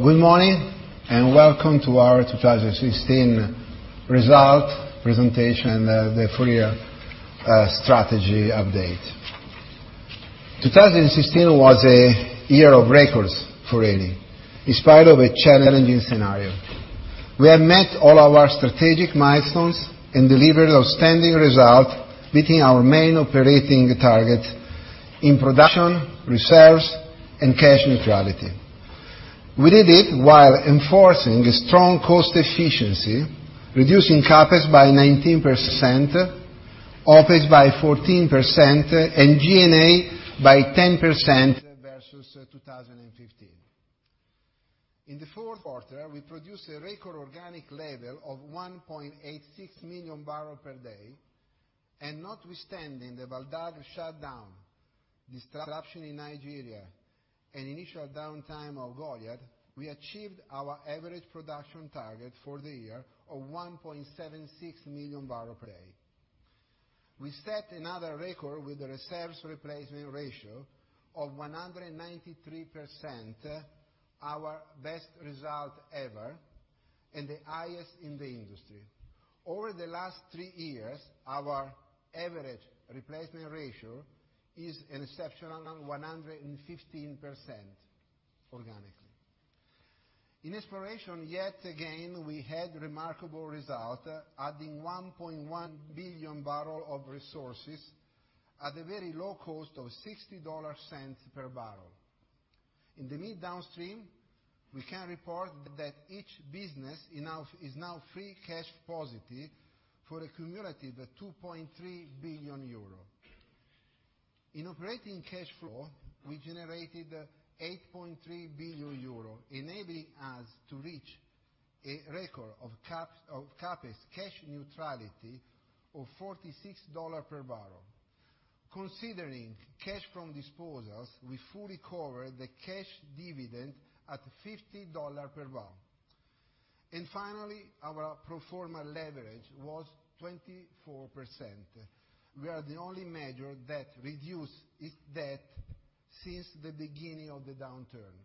Good morning. Welcome to our 2016 results presentation, the full-year strategy update. 2016 was a year of records for Eni, in spite of a challenging scenario. We have met all our strategic milestones and delivered outstanding results, meeting our main operating target in production, reserves, and cash neutrality. We did it while enforcing strong cost efficiency, reducing CapEx by 19%, OpEx by 14%, and G&A by 10% versus 2015. In the fourth quarter, we produced a record organic level of 1.86 million barrels per day, notwithstanding the Val d'Agri shutdown, disruption in Nigeria, and initial downtime of Golar, we achieved our average production target for the year of 1.76 million barrels per day. We set another record with the reserves replacement ratio of 193%, our best result ever and the highest in the industry. Over the last three years, our average replacement ratio is an exceptional 115% organically. In exploration, yet again, we had remarkable results, adding 1.1 billion barrels of resources at the very low cost of 0.60 per barrel. In the midstream, we can report that each business is now free cash positive for a cumulative 2.3 billion euro. In operating cash flow, we generated 8.3 billion euro, enabling us to reach a record of CapEx cash neutrality of $46 per barrel. Considering cash from disposals, we fully covered the cash dividend at $50 per barrel. Finally, our pro forma leverage was 24%. We are the only major that reduced its debt since the beginning of the downturn.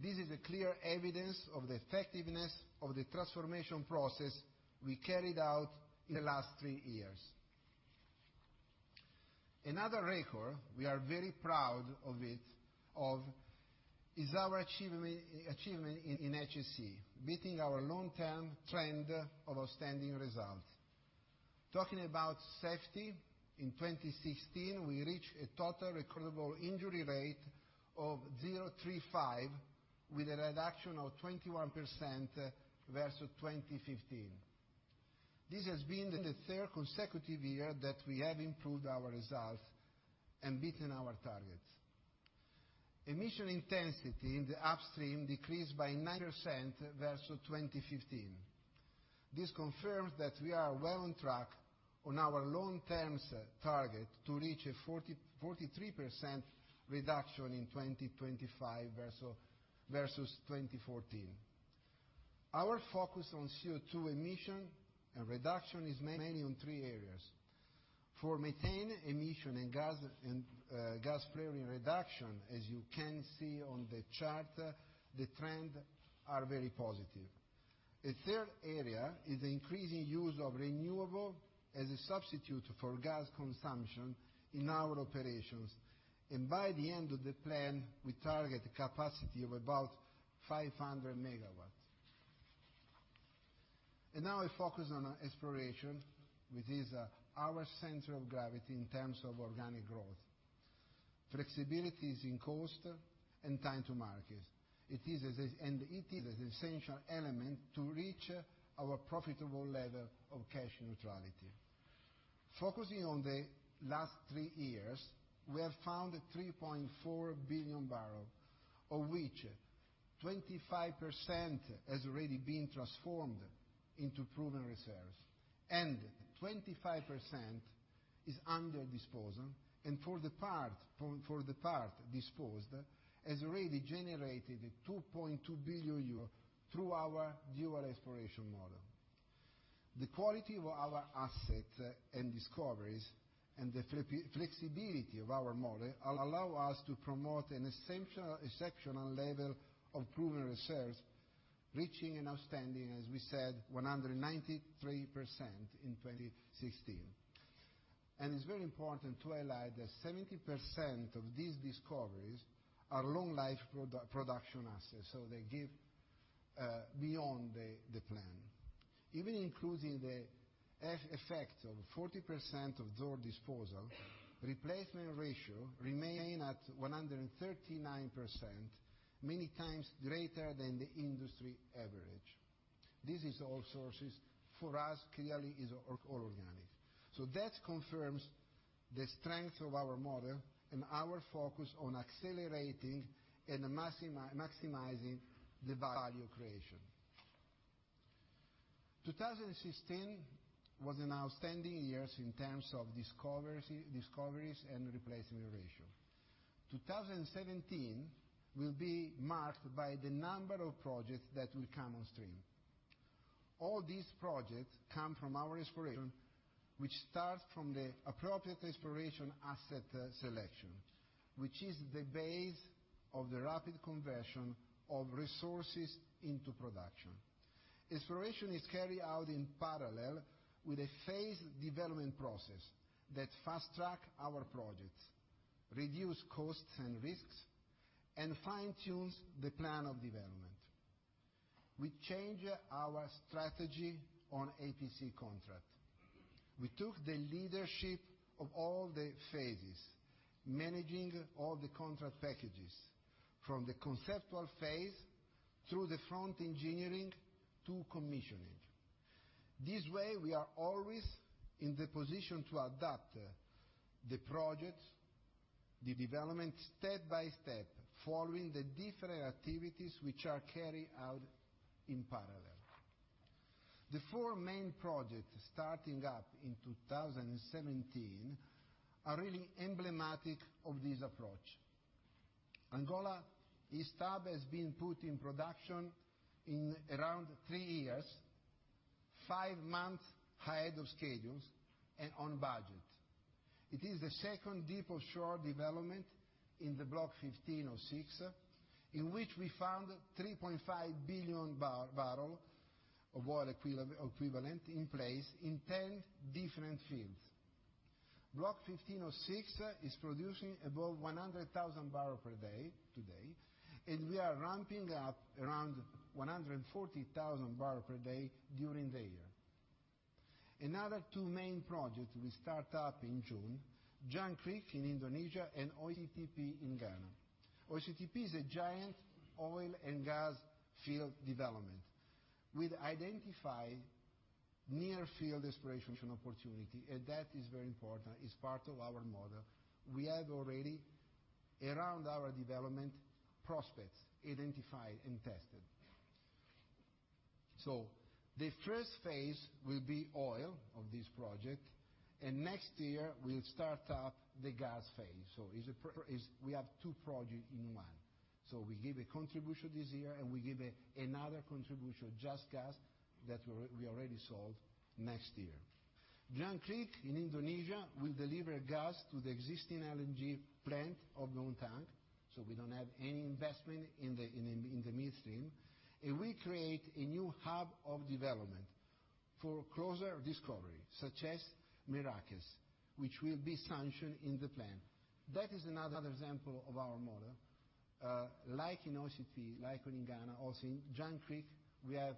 This is a clear evidence of the effectiveness of the transformation process we carried out in the last three years. Another record we are very proud of is our achievement in HSE, beating our long-term trend of outstanding results. Talking about safety, in 2016, we reached a total recordable injury rate of 0.035, with a reduction of 21% versus 2015. This has been the third consecutive year that we have improved our results and beaten our targets. Emission intensity in the upstream decreased by 9% versus 2015. This confirms that we are well on track on our long-term target to reach a 43% reduction in 2025 versus 2014. Our focus on CO2 emissions and reduction is mainly on three areas. For methane emission and gas flaring reduction, as you can see on the chart, the trends are very positive. A third area is increasing use of renewable as a substitute for gas consumption in our operations. By the end of the plan, we target a capacity of about 500 megawatts. Now a focus on exploration, which is our center of gravity in terms of organic growth. Flexibility is in cost and time to market. It is an essential element to reach our profitable level of cash neutrality. Focusing on the last three years, we have found 3.4 billion barrels, of which 25% has already been transformed into proven reserves, and 25% is under disposal, and for the part disposed, has already generated 2.2 billion euro through our dual exploration model. The quality of our assets and discoveries and the flexibility of our model allow us to promote an exceptional level of proven reserves, reaching an outstanding, as we said, 193% in 2016. It is very important to highlight that 70% of these discoveries are long-life production assets, so they give beyond the plan. Even including the effect of 40% of those disposals, replacement ratio remains at 139%, many times greater than the industry average. This is all sources for us, clearly is all organic. That confirms the strength of our model and our focus on accelerating and maximizing the value creation. 2016 was an outstanding year in terms of discoveries and replacement ratio. 2017 will be marked by the number of projects that will come on stream. All these projects come from our exploration, which starts from the appropriate exploration asset selection, which is the base of the rapid conversion of resources into production. Exploration is carried out in parallel with a phased development process that fast-tracks our projects, reduces costs and risks, and fine-tunes the plan of development. We changed our strategy on EPC contract. We took the leadership of all the phases, managing all the contract packages from the conceptual phase through the front engineering to commissioning. This way, we are always in the position to adapt the projects, the development step by step, following the different activities which are carried out in parallel. The four main projects starting up in 2017 are really emblematic of this approach. Angola East Hub has been put in production in around three years, five months ahead of schedules and on budget. It is the second deep offshore development in the Block 15/06, in which we found 3.5 billion barrels of oil equivalent in place in 10 different fields. Block 15/06 is producing above 100,000 barrels per day today. We are ramping up around 140,000 barrels per day during the year. Another two main projects will start up in June, Jangkrik in Indonesia and OCTP in Ghana. OCTP is a giant oil and gas field development. We've identified near field exploration opportunity. That is very important. It's part of our model. We have already, around our development, prospects identified and tested. The first phase will be oil of this project. Next year, we'll start up the gas phase. We have two projects in one. We give a contribution this year. We give another contribution, just gas, that we already sold next year. Jangkrik in Indonesia will deliver gas to the existing LNG plant of Bontang. We don't have any investment in the midstream. We create a new hub of development for closer discovery, such as Merakes, which will be sanctioned in the plan. That is another example of our model. Like in OCT, like in Ghana, also in Jangkrik, we have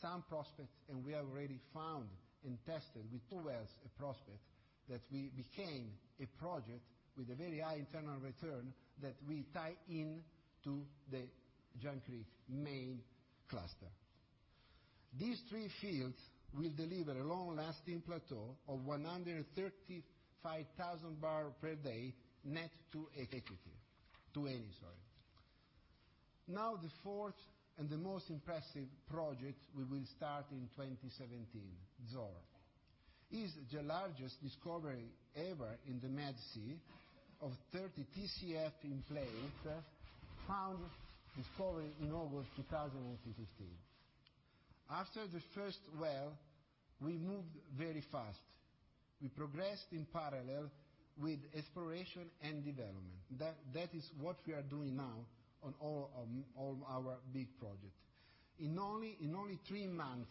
some prospects. We already found and tested with two wells a prospect that will became a project with a very high internal return that we tie in to the Jangkrik main cluster. These three fields will deliver a long-lasting plateau of 135,000 barrels per day net to Eni. The fourth and the most impressive project we will start in 2017, Zohr. It's the largest discovery ever in the Med Sea of 30 Tcf in place, found, discovered in August 2015. After the first well, we moved very fast. We progressed in parallel with exploration and development. That is what we are doing now on all of our big projects. In only three months,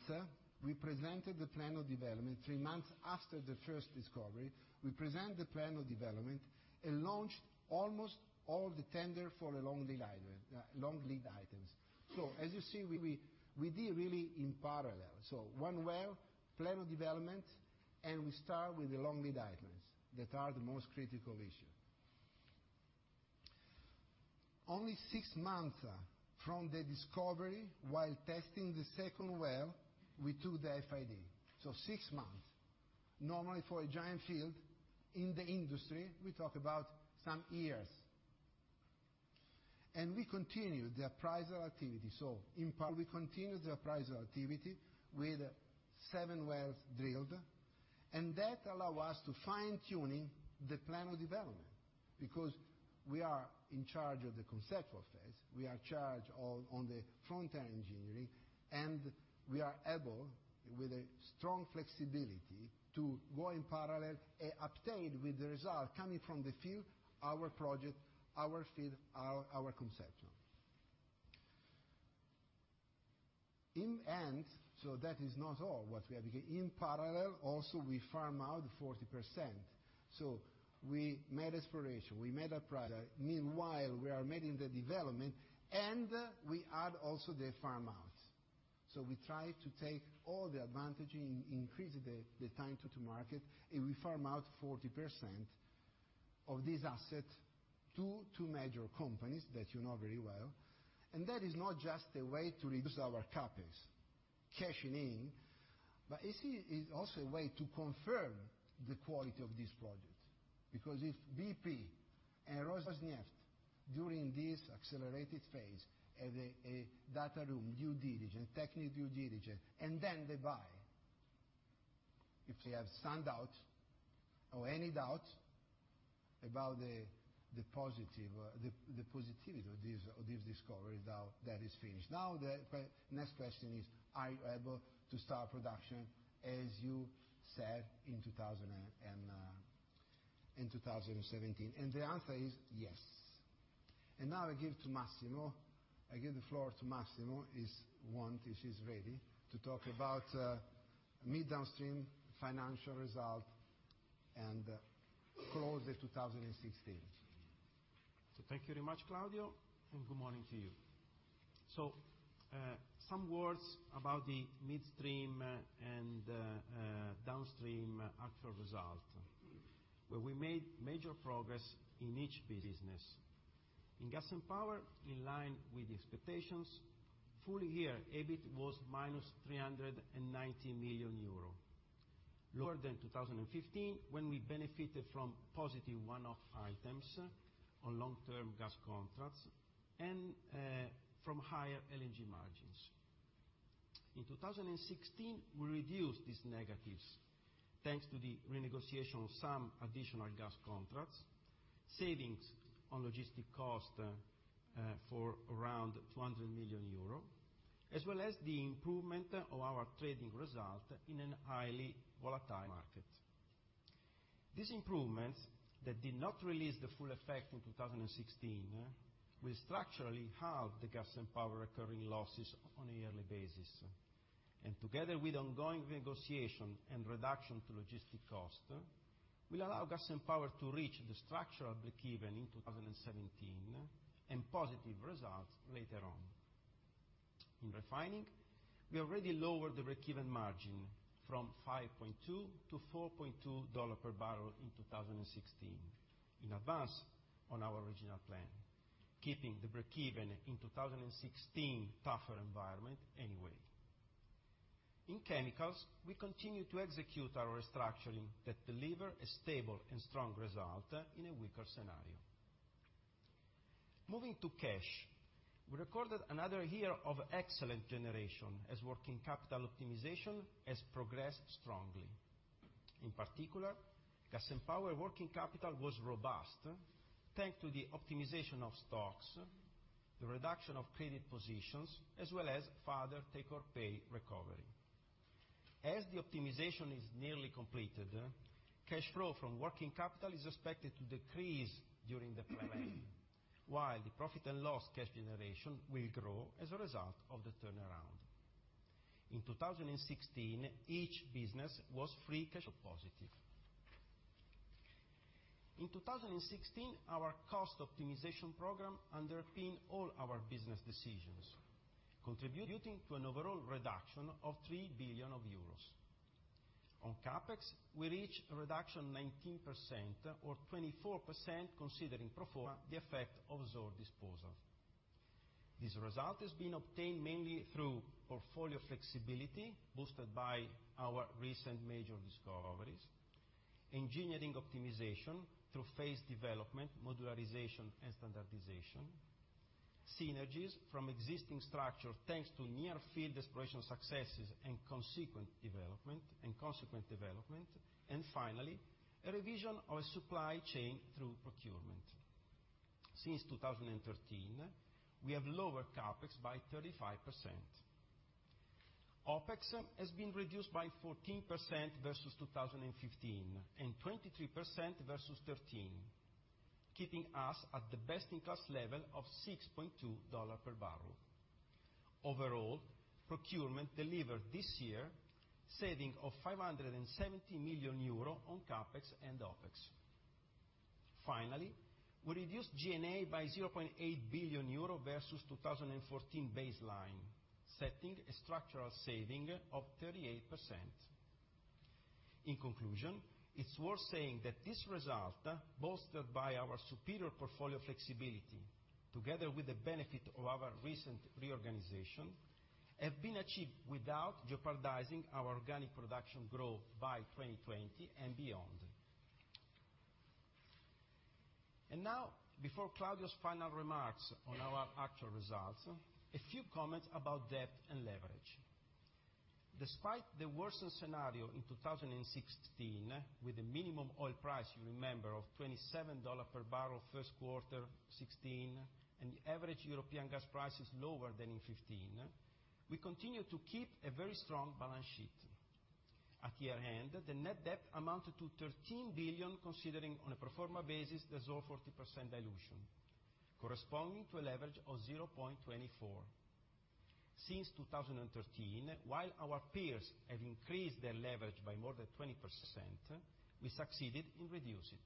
we presented the plan of development. Three months after the first discovery, we presented the plan of development and launched almost all the tenders for the long-lead items. As you see, we did really in parallel. One well, plan of development, and we start with the long-lead items that are the most critical issue. Only six months from the discovery, while testing the second well, we do the FID. Six months. Normally, for a giant field in the industry, we talk about some years. We continued the appraisal activity. In parallel, we continued the appraisal activity with seven wells drilled, and that allow us to fine-tune the plan of development because we are in charge of the conceptual phase, we are in charge on the front-end engineering, and we are able, with a strong flexibility, to go in parallel and update with the result coming from the field, our project, our field, our conception. That is not all what we have. In parallel, also, we farm out 40%. We made exploration, we made appraisal. Meanwhile, we are making the development, and we add also the farm-outs. We try to take all the advantage in increasing the time to market, and we farm out 40% of this asset to two major companies that you know very well. That is not just a way to reduce our CapEx, cashing in, but it is also a way to confirm the quality of this project. Because if BP and Rosneft, during this accelerated phase, have a data room due diligence, technical due diligence, and then they buy If they have some doubt or any doubt about the positivity of this discovery, doubt that is finished. Now the next question is, are you able to start production as you said in 2017? The answer is yes. Now I give to Massimo. I give the floor to Massimo, if he's ready, to talk about mid downstream financial result and close the 2016. Thank you very much, Claudio, and good morning to you. Some words about the midstream and downstream actual result, where we made major progress in each business. In Gas & Power, in line with the expectations, full year EBIT was -390 million euro, lower than 2015, when we benefited from positive one-off items on long-term gas contracts and from higher LNG margins. In 2016, we reduced these negatives thanks to the renegotiation of some additional gas contracts, savings on logistic cost for around 200 million euro, as well as the improvement of our trading result in an highly volatile market. These improvements that did not release the full effect in 2016 will structurally halve the Gas & Power recurring losses on a yearly basis. Together with ongoing negotiation and reduction to logistic cost, will allow Gas & Power to reach the structural breakeven in 2017 and positive results later on. In refining, we already lowered the breakeven margin from 5.2 to $4.2 per barrel in 2016, in advance on our original plan, keeping the breakeven in 2016 tougher environment anyway. In Chemicals, we continue to execute our restructuring that deliver a stable and strong result in a weaker scenario. Moving to cash, we recorded another year of excellent generation as working capital optimization has progressed strongly. In particular, Gas & Power working capital was robust thanks to the optimization of stocks, the reduction of credit positions, as well as further take or pay recovery. As the optimization is nearly completed, cash flow from working capital is expected to decrease during the plan, while the profit and loss cash generation will grow as a result of the turnaround. In 2016, each business was free cash flow positive. In 2016, our cost optimization program underpinned all our business decisions, contributing to an overall reduction of 3 billion euros. On CapEx, we reach a reduction 19% or 24% considering pro forma the effect of Zohr disposal. This result has been obtained mainly through portfolio flexibility boosted by our recent major discoveries, engineering optimization through phase development, modularization, and standardization, synergies from existing structure thanks to near field exploration successes and consequent development, and finally, a revision of a supply chain through procurement. Since 2013, we have lowered CapEx by 35%. OpEx has been reduced by 14% versus 2015, and 23% versus 2013, keeping us at the best-in-class level of $6.20 per barrel. Overall, procurement delivered this year saving of 570 million euro on CapEx and OpEx. Finally, we reduced G&A by 0.8 billion euro versus 2014 baseline, setting a structural saving of 38%. In conclusion, it's worth saying that this result, bolstered by our superior portfolio flexibility together with the benefit of our recent reorganization, have been achieved without jeopardizing our organic production growth by 2020 and beyond. Now, before Claudio's final remarks on our actual results, a few comments about debt and leverage. Despite the worsened scenario in 2016 with the minimum oil price, you remember, of $27 per barrel first quarter 2016, and the average European gas prices lower than in 2015, we continue to keep a very strong balance sheet. At year-end, the net debt amounted to 13 billion considering on a pro forma basis the Zohr 40% dilution, corresponding to a leverage of 0.24. Since 2013, while our peers have increased their leverage by more than 20%, we succeeded in reduce it.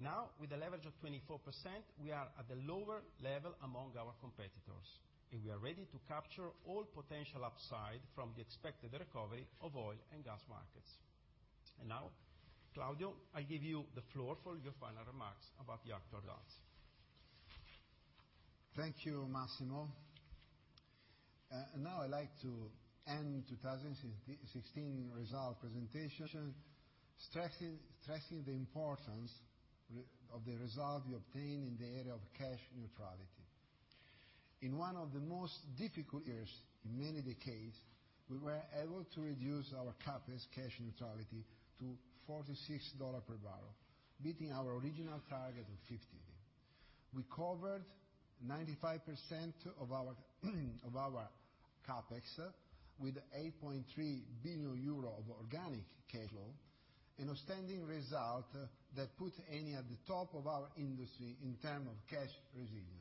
Now, with a leverage of 24%, we are at the lower level among our competitors, and we are ready to capture all potential upside from the expected recovery of oil and gas markets. Now, Claudio, I give you the floor for your final remarks about the actual results. Thank you, Massimo. I would like to end 2016 result presentation stressing the importance of the result we obtained in the area of cash neutrality. In one of the most difficult years in many decades, we were able to reduce our CapEx cash neutrality to $46 per barrel, beating our original target of 50. We covered 95% of our CapEx with 8.3 billion euro of organic cash flow, an outstanding result that put Eni at the top of our industry in term of cash resilience.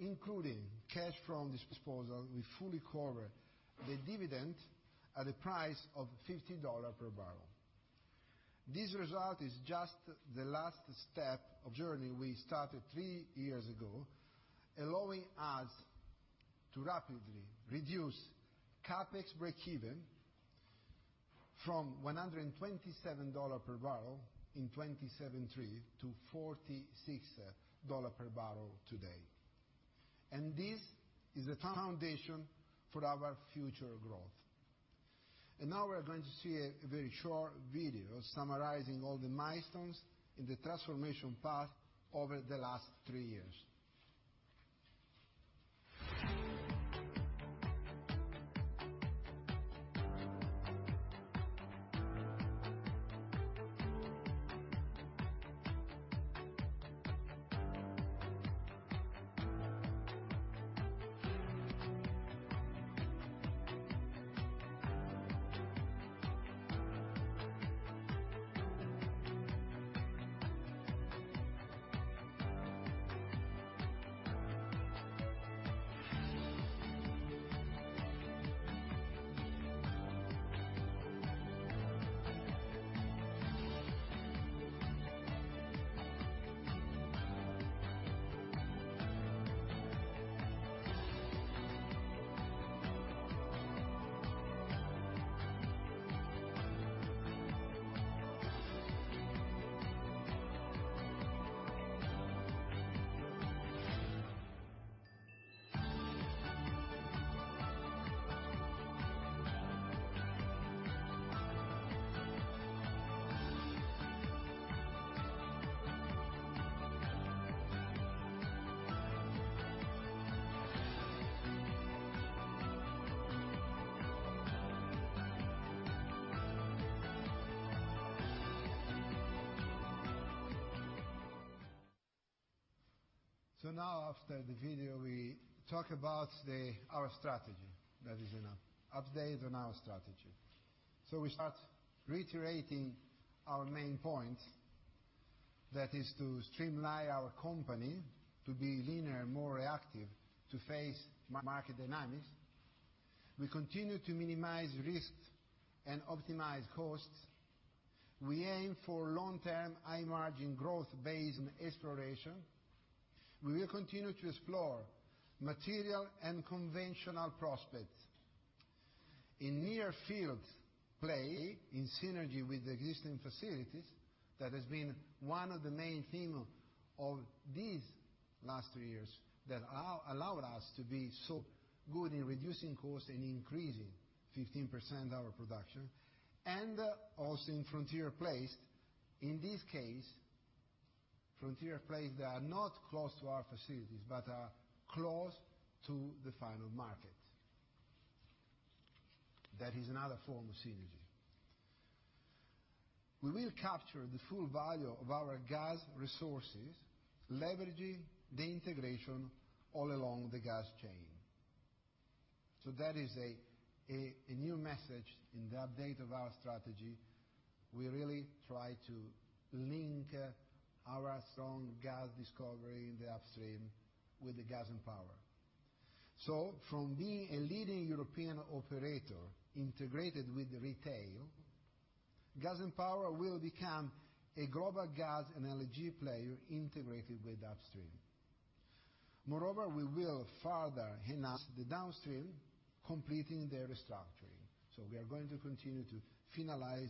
Including cash from disposal, we fully cover the dividend at a price of $50 per barrel. This result is just the last step of journey we started three years ago, allowing us to rapidly reduce CapEx breakeven from $127 per barrel in 2013, to $46 per barrel today. This is the foundation for our future growth. Now we are going to see a very short video summarizing all the milestones in the transformation path over the last three years. Now after the video, we talk about our strategy, that is an update on our strategy. We start reiterating our main point, that is to streamline our company to be leaner, more reactive, to face market dynamics. We continue to minimize risks and optimize costs. We aim for long-term, high-margin growth based on exploration. We will continue to explore material and conventional prospects. In near-field play, in synergy with existing facilities, that has been one of the main theme of these last two years, that allowed us to be so good in reducing cost and increasing 15% our production, also in frontier plays. In this case, frontier plays that are not close to our facilities but are close to the final market. That is another form of synergy. We will capture the full value of our gas resources, leveraging the integration all along the gas chain. That is a new message in the update of our strategy. We really try to link our strong gas discovery in the upstream with the Gas & Power. From being a leading European operator integrated with retail, Gas & Power will become a global gas and LNG player integrated with upstream. Moreover, we will further enhance the downstream, completing the restructuring. We are going to continue to finalize,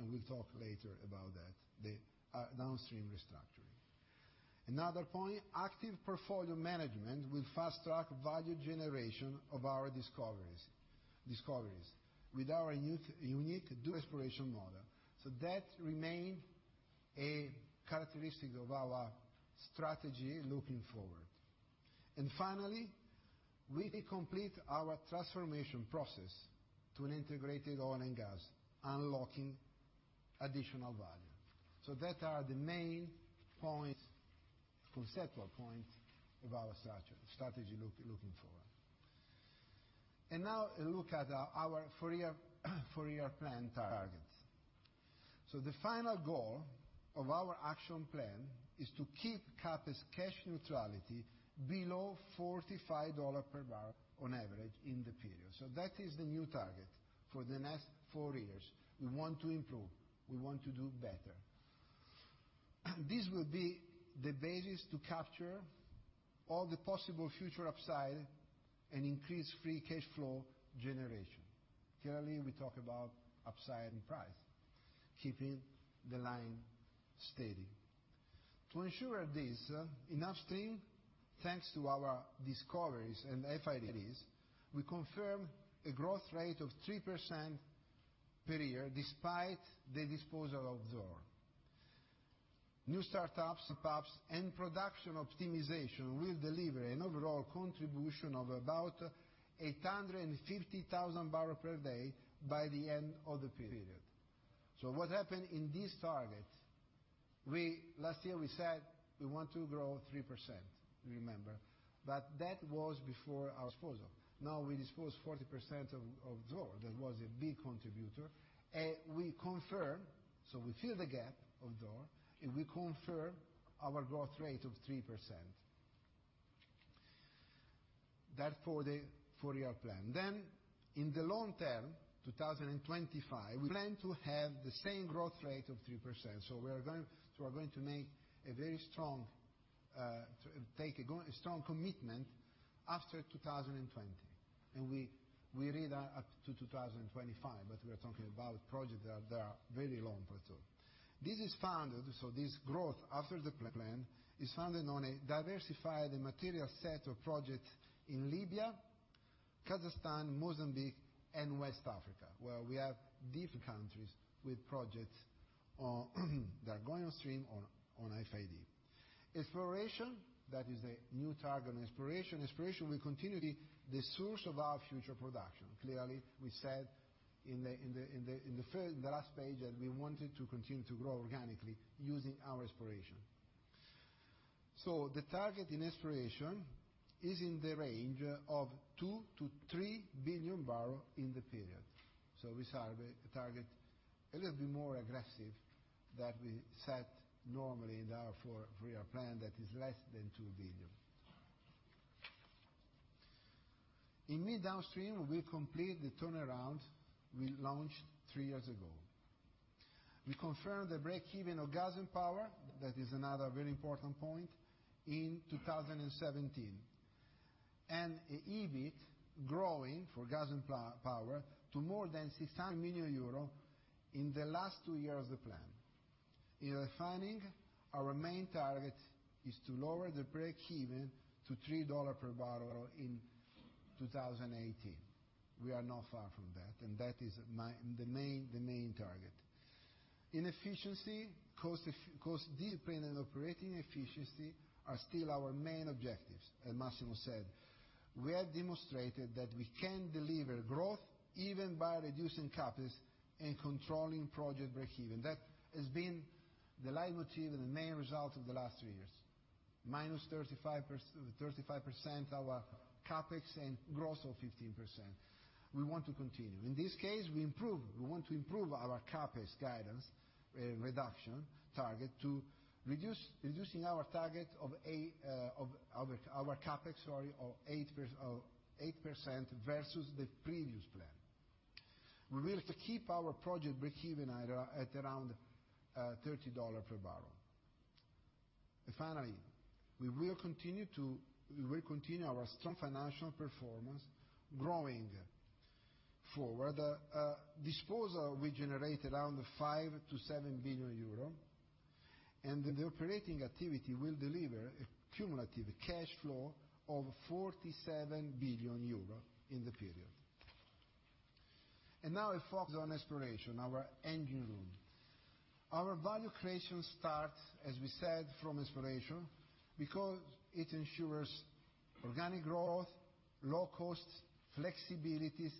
and we will talk later about that, the downstream restructuring. Another point, active portfolio management will fast-track value generation of our discoveries with our unique dual exploration model. That remain a characteristic of our strategy looking forward. Finally, we complete our transformation process to an integrated oil and gas, unlocking additional value. That are the main points, conceptual points, of our strategy looking forward. Now a look at our four-year plan targets. The final goal of our action plan is to keep CapEx cash neutrality below $45 per barrel on average in the period. That is the new target for the next four years. We want to improve, we want to do better. This will be the basis to capture all the possible future upside and increase free cash flow generation. Clearly, we talk about upside in price, keeping the line steady. To ensure this, in upstream, thanks to our discoveries and FID, we confirm a growth rate of 3% per year despite the disposal of Zohr. New startups and production optimization will deliver an overall contribution of about 850,000 barrel per day by the end of the period. What happened in this target? Last year we said we want to grow 3%, remember? That was before our disposal. Now we dispose 40% of Zohr. That was a big contributor. We fill the gap of Zohr, and we confirm our growth rate of 3%. That for the four-year plan. In the long term, 2025, we plan to have the same growth rate of 3%. We're going to take a strong commitment after 2020. We read up to 2025, but we are talking about projects that are very long term. This growth after the plan is founded on a diversified material set of projects in Libya, Kazakhstan, Mozambique, and West Africa, where we have different countries with projects that are going on stream on FID. Exploration, that is a new target. Exploration will continue to be the source of our future production. We said in the last page that we wanted to continue to grow organically using our exploration. The target in exploration is in the range of 2 to 3 billion barrels in the period. We set a target a little bit more aggressive than we set normally there for our plan, that is less than 2 billion. In mid downstream, we complete the turnaround we launched 3 years ago. We confirm the breakeven of Gas & Power, that is another very important point, in 2017, and EBIT growing for Gas & Power to more than 600 million euros in the last two years of the plan. In refining, our main target is to lower the breakeven to $3 per barrel in 2018. We are not far from that, and that is the main target. In efficiency, cost discipline and operating efficiency are still our main objectives, as Massimo said. We have demonstrated that we can deliver growth even by reducing CapEx and controlling project breakeven. That has been the leitmotif and the main result of the last 3 years. -35% our CapEx and growth of 15%. We want to continue. In this case, we want to improve our CapEx guidance reduction target to reducing our target of our CapEx of 8% versus the previous plan. We will keep our project breakeven at around $30 per barrel. Finally, we will continue our strong financial performance growing forward. Disposal will generate around 5 to 7 billion euro, and the operating activity will deliver a cumulative cash flow of 47 billion euro in the period. Now a focus on exploration, our engine room. Our value creation starts, as we said, from exploration because it ensures organic growth, low cost, flexibilities,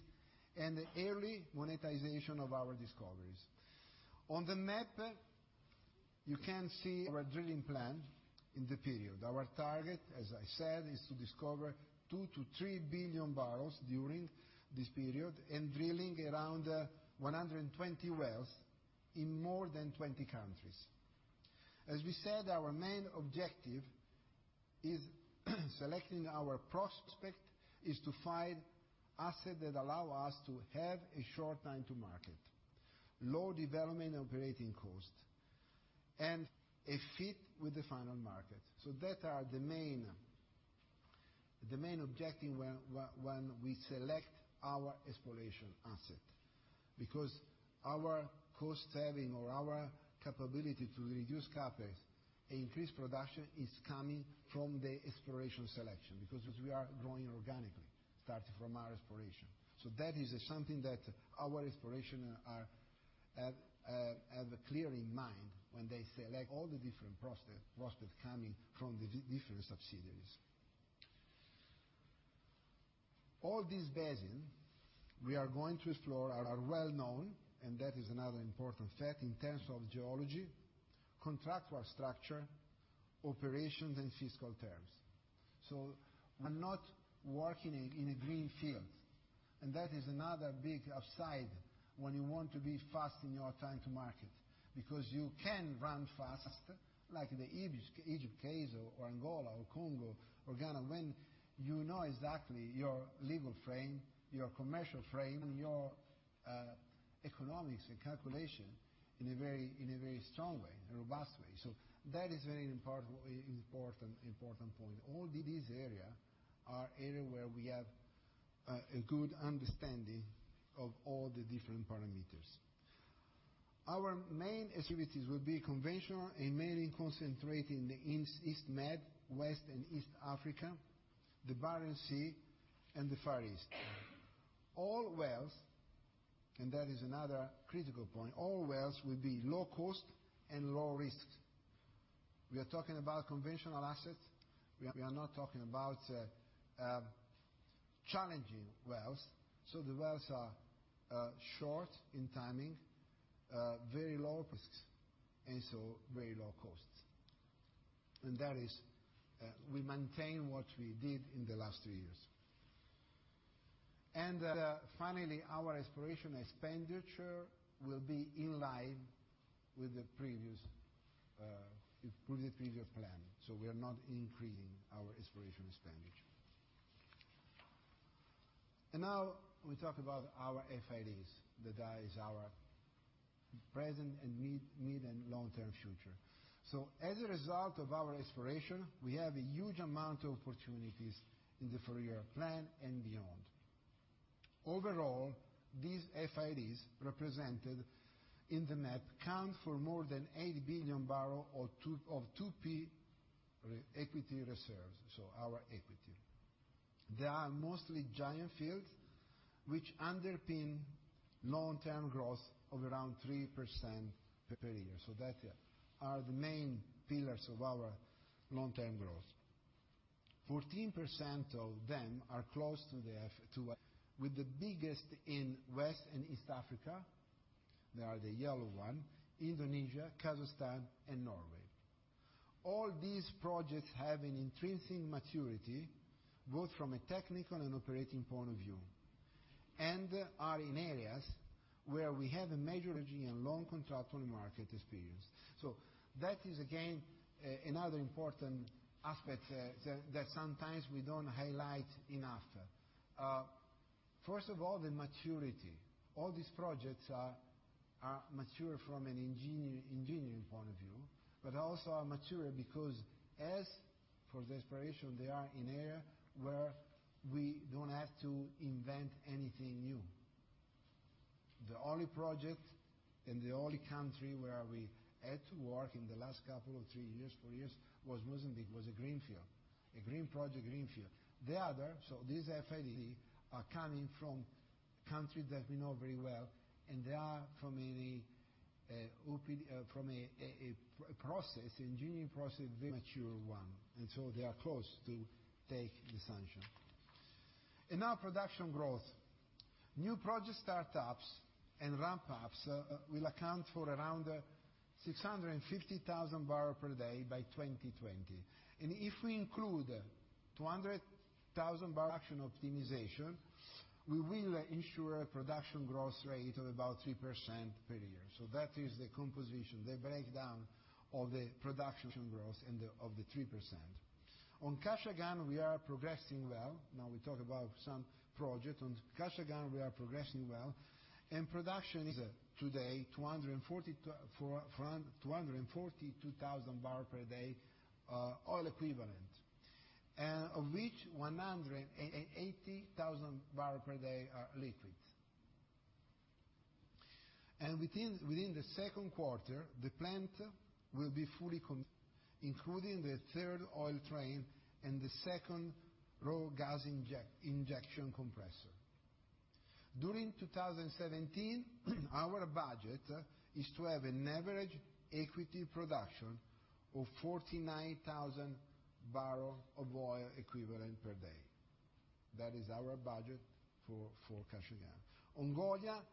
and early monetization of our discoveries. On the map, you can see our drilling plan in the period. Our target, as I said, is to discover 2 to 3 billion barrels during this period, and drilling around 120 wells in more than 20 countries. As we said, our main objective in selecting our prospect is to find assets that allow us to have a short time to market, low development operating cost, and a fit with the final market. That are the main objectives when we select our exploration asset. Our cost saving or our capability to reduce CapEx and increase production is coming from the exploration selection because we are growing organically, starting from our exploration. That is something that our exploration have clear in mind when they select all the different prospects coming from the different subsidiaries. All these basins we are going to explore are well known, and that is another important fact in terms of geology, contractual structure, operations, and fiscal terms. We're not working in a green field, and that is another big upside when you want to be fast in your time to market. Because you can run fast like the Egypt case or Angola or Congo or Ghana, when you know exactly your legal frame, your commercial frame, your economics and calculation in a very strong way, a robust way. That is a very important point. All these areas are areas where we have a good understanding of all the different parameters. Our main attributes will be conventional and mainly concentrated in the East Med, West and East Africa, the Barents Sea, and the Far East. All wells. That is another critical point. All wells will be low cost and low risk. We are talking about conventional assets. We are not talking about challenging wells. The wells are short in timing, very low risks, and so very low costs. We maintain what we did in the last two years. Finally, our exploration expenditure will be in line with the previous plan. We are not increasing our exploration expenditure. Now we talk about our FIDs, that is our present and mid- and long-term future. As a result of our exploration, we have a huge amount of opportunities in the four-year plan and beyond. Overall, these FIDs represented in the map account for more than 8 billion barrel of 2P equity reserves, so our equity. They are mostly giant fields, which underpin long-term growth of around 3% per year. That are the main pillars of our long-term growth. 14% of them are close to the F-- with the biggest in West and East Africa, they are the yellow one, Indonesia, Kazakhstan, and Norway. All these projects have an intrinsic maturity, both from a technical and operating point of view, and are in areas where we have a major engineering and long contractual market experience. That is again, another important aspect that sometimes we don't highlight enough. First of all, the maturity. All these projects are mature from an engineering point of view, but also are mature because as for the exploration, they are in area where we don't have to invent anything new. The only project in the only country where we had to work in the last couple of three years, four years, was Mozambique, was a greenfield. A green project, greenfield. The other, these FID, are coming from countries that we know very well, and they are from a process, engineering process, very mature one. They are close to take the sanction. Now production growth. New project startups and ramp-ups will account for around 650,000 barrel per day by 2020. If we include 200,000 barrel optimization, we will ensure a production growth rate of about 3% per year. That is the composition, the breakdown of the production growth of the 3%. On Kashagan, we are progressing well. On Kashagan, we are progressing well, and production is today 242,000 barrels per day, oil equivalent. Of which 180,000 barrels per day are liquids. Within the second quarter, the plant will be fully including the third oil train and the second raw gas injection compressor. During 2017, our budget is to have an average equity production of 49,000 barrels of oil equivalent per day. That is our budget for Kashagan. On Goliat,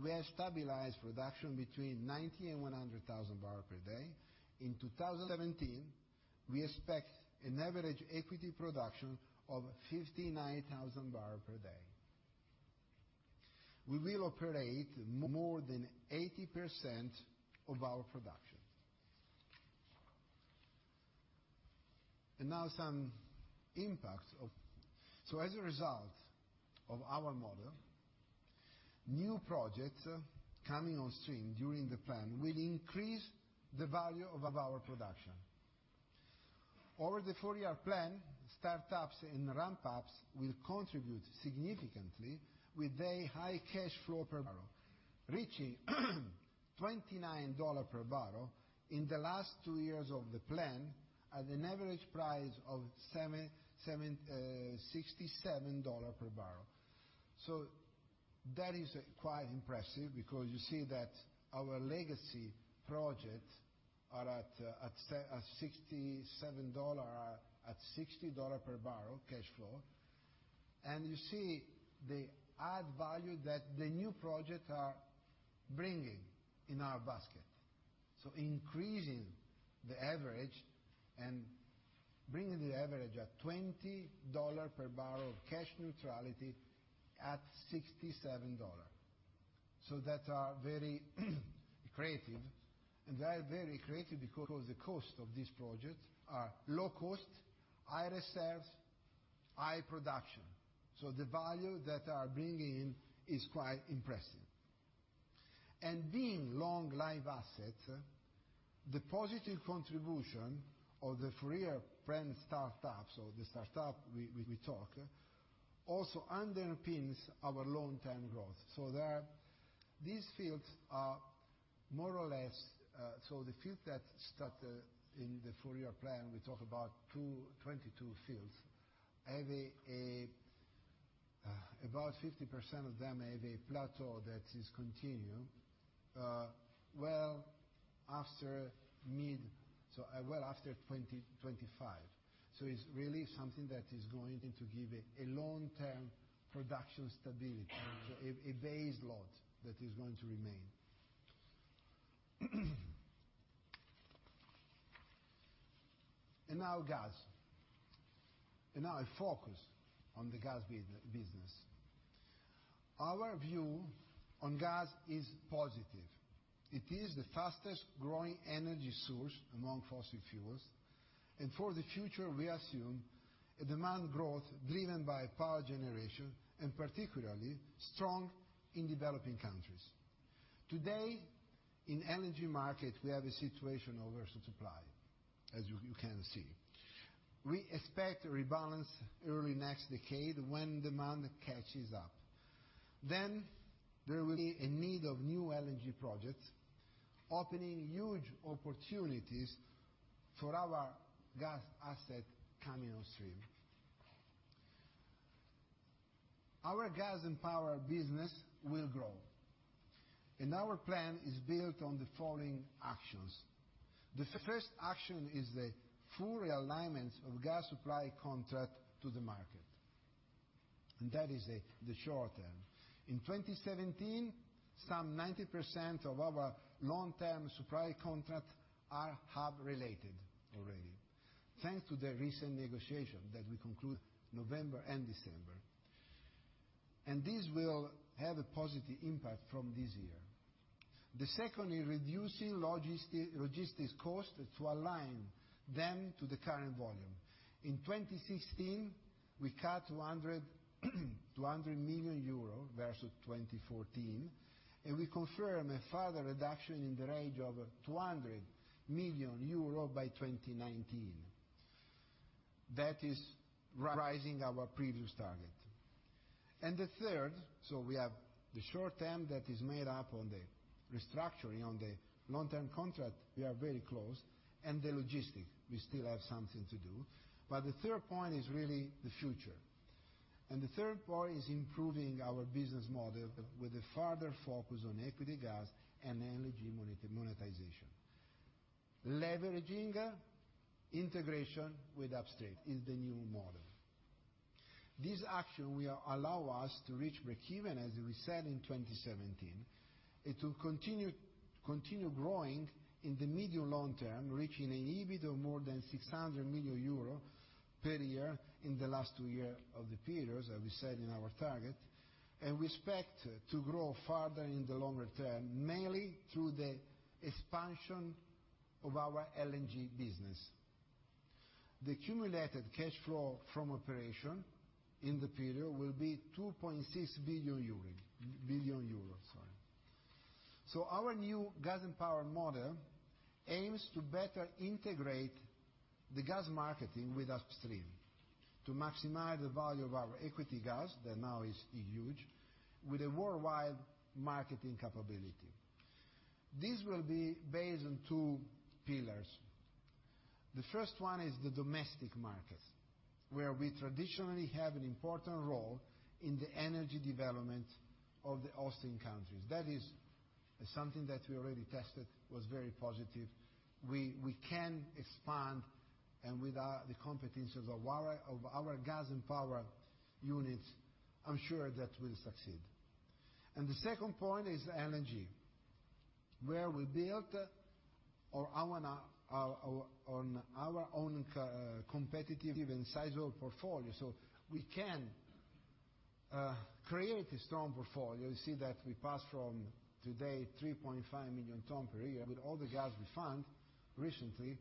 we have stabilized production between 90,000 and 100,000 barrels per day. In 2017, we expect an average equity production of 59,000 barrels per day. We will operate more than 80% of our production. As a result of our model, new projects coming on stream during the plan will increase the value of our production. Over the four-year plan, startups and ramp-ups will contribute significantly with very high cash flow per barrel, reaching $29 per barrel in the last two years of the plan at an average price of $67 per barrel. That is quite impressive because you see that our legacy projects are at $67, at $60 per barrel cash flow. You see the add value that the new projects are bringing in our basket. Increasing the average and bringing the average at $20 per barrel of cash neutrality at $67. That are very accretive, and they are very accretive because the cost of these projects are low cost, high reserves, high production. The value that are bringing in is quite impressive. Being long-life asset, the positive contribution of the four-year plan startups or the startup we talk, also underpins our long-term growth. The field that start in the four-year plan, we talk about 22 fields. About 50% of them have a plateau that is continuous well after mid to well after 2025. It's really something that is going to give a long-term production stability. A base load that is going to remain. Now gas. Now a focus on the gas business. Our view on gas is positive. It is the fastest-growing energy source among fossil fuels. For the future, we assume a demand growth driven by power generation, and particularly strong in developing countries. Today, in LNG market, we have a situation of oversupply, as you can see. We expect a rebalance early next decade when demand catches up. There will be a need of new LNG projects, opening huge opportunities for our gas asset coming upstream. Our Gas & Power business will grow. Our plan is built on the following actions. The first action is the full realignment of gas supply contract to the market. That is the short term. In 2017, some 90% of our long-term supply contract are hub related already, thanks to the recent negotiation that we concluded November and December. This will have a positive impact from this year. The second is reducing logistics cost to align them to the current volume. In 2016, we cut 200 million euros versus 2014, and we confirm a further reduction in the range of 200 million euro by 2019. That is raising our previous target. The third, we have the short term that is made up on the restructuring. On the long-term contract, we are very close, and the logistic, we still have something to do. The third point is really the future. The third point is improving our business model with a further focus on equity gas and LNG monetization. Leveraging integration with upstream is the new model. This action will allow us to reach breakeven, as we said, in 2017. It will continue growing in the medium long term, reaching an EBIT of more than €600 million per year in the last two year of the periods, as we said in our target. We expect to grow further in the longer term, mainly through the expansion of our LNG business. The accumulated cash flow from operation in the period will be €2.6 billion. Our new Gas & Power model aims to better integrate the gas marketing with upstream to maximize the value of our equity gas, that now is huge, with a worldwide marketing capability. This will be based on two pillars. The first one is the domestic markets, where we traditionally have an important role in the energy development of the host countries. That is something that we already tested, was very positive. We can expand, and with the competencies of our Gas & Power units, I'm sure that we'll succeed. The second point is LNG, where we built on our own competitive and sizable portfolio. We can create a strong portfolio. You see that we pass from today 3.5 million ton per year with all the gas we found recently,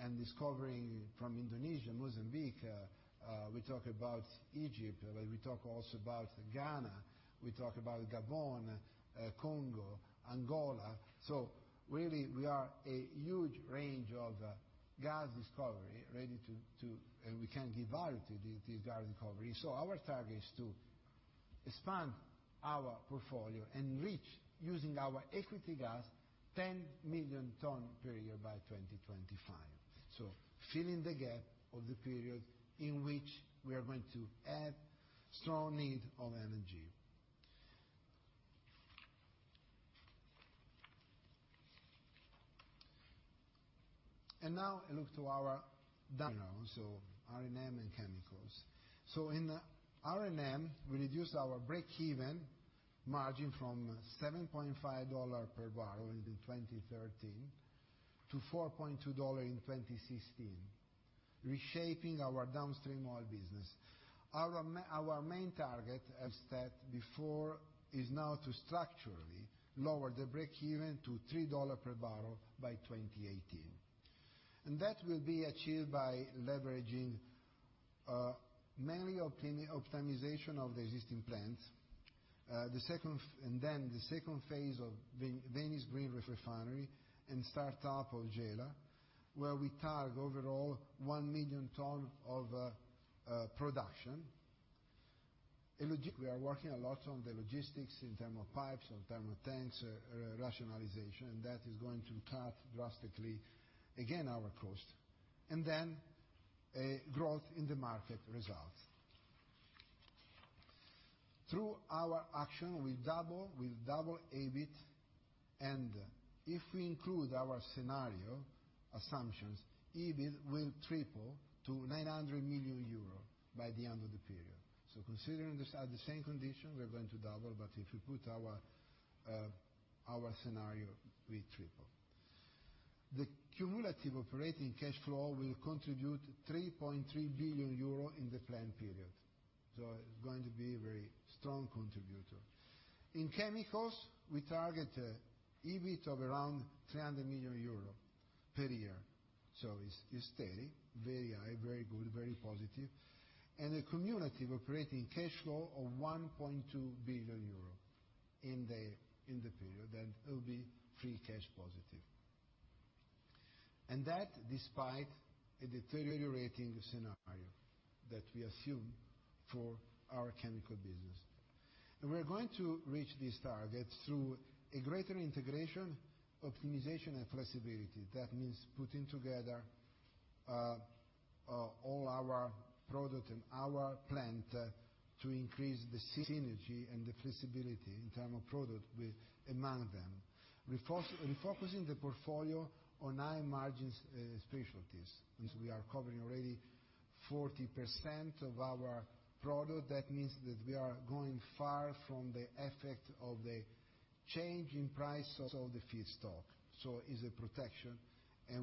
and discovering from Indonesia, Mozambique, we talk about Egypt, we talk also about Ghana, we talk about Gabon, Congo, Angola. Really, we can give value to these gas discovery. Our target is to expand our portfolio and reach, using our equity gas, 10 million ton per year by 2025. Filling the gap of the period in which we are going to have strong need of energy. Now a look to our Downstream, so R&M and Chemicals. In R&M, we reduced our breakeven margin from $7.50 per barrel in 2013 to $4.2 in 2016, reshaping our downstream oil business. Our main target, as said before, is now to structurally lower the breakeven to $3 per barrel by 2018. That will be achieved by leveraging mainly optimization of the existing plants. Then the second phase of Venice Green Refinery and start up of Gela, where we target overall 1 million ton of production. We are working a lot on the logistics in terms of pipes, in terms of tanks, rationalization. That is going to cut drastically, again, our cost. Then a growth in the market result. Through our action, we double EBIT, and if we include our scenario assumptions, EBIT will triple to 900 million euro by the end of the period. Considering these are the same condition, we're going to double, but if you put our scenario, we triple. The cumulative operating cash flow will contribute 3.3 billion euro in the planned period. It's going to be a very strong contributor. In Chemicals, we target an EBIT of around 300 million euro per year. It's steady, very high, very good, very positive. The cumulative operating cash flow of 1.2 billion euro in the period, then it will be free cash positive. That, despite a deteriorating scenario that we assume for our Chemicals business. We're going to reach these targets through a greater integration, optimization, and flexibility. That means putting together all our product and our plant to increase the synergy and the flexibility in term of product with among them. Refocusing the portfolio on high margins specialties, which we are covering already 40% of our product. That means that we are going far from the effect of the change in price of the feedstock. It's a protection.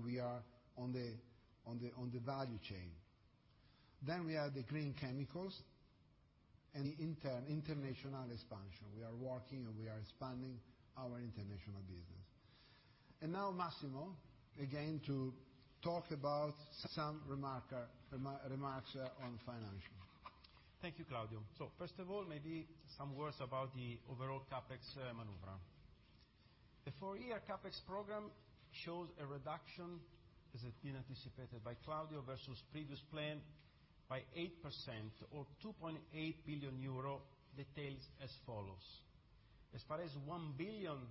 We are on the value chain. We have the green Chemicals and the international expansion. We are working, we are expanding our international business. Now Massimo, again, to talk about some remarks on financials. Thank you, Claudio. First of all, maybe some words about the overall CapEx maneuver. The four-year CapEx program shows a reduction, as has been anticipated by Claudio, versus previous plan by 8% or 2.8 billion euro, details as follows. As far as 1 billion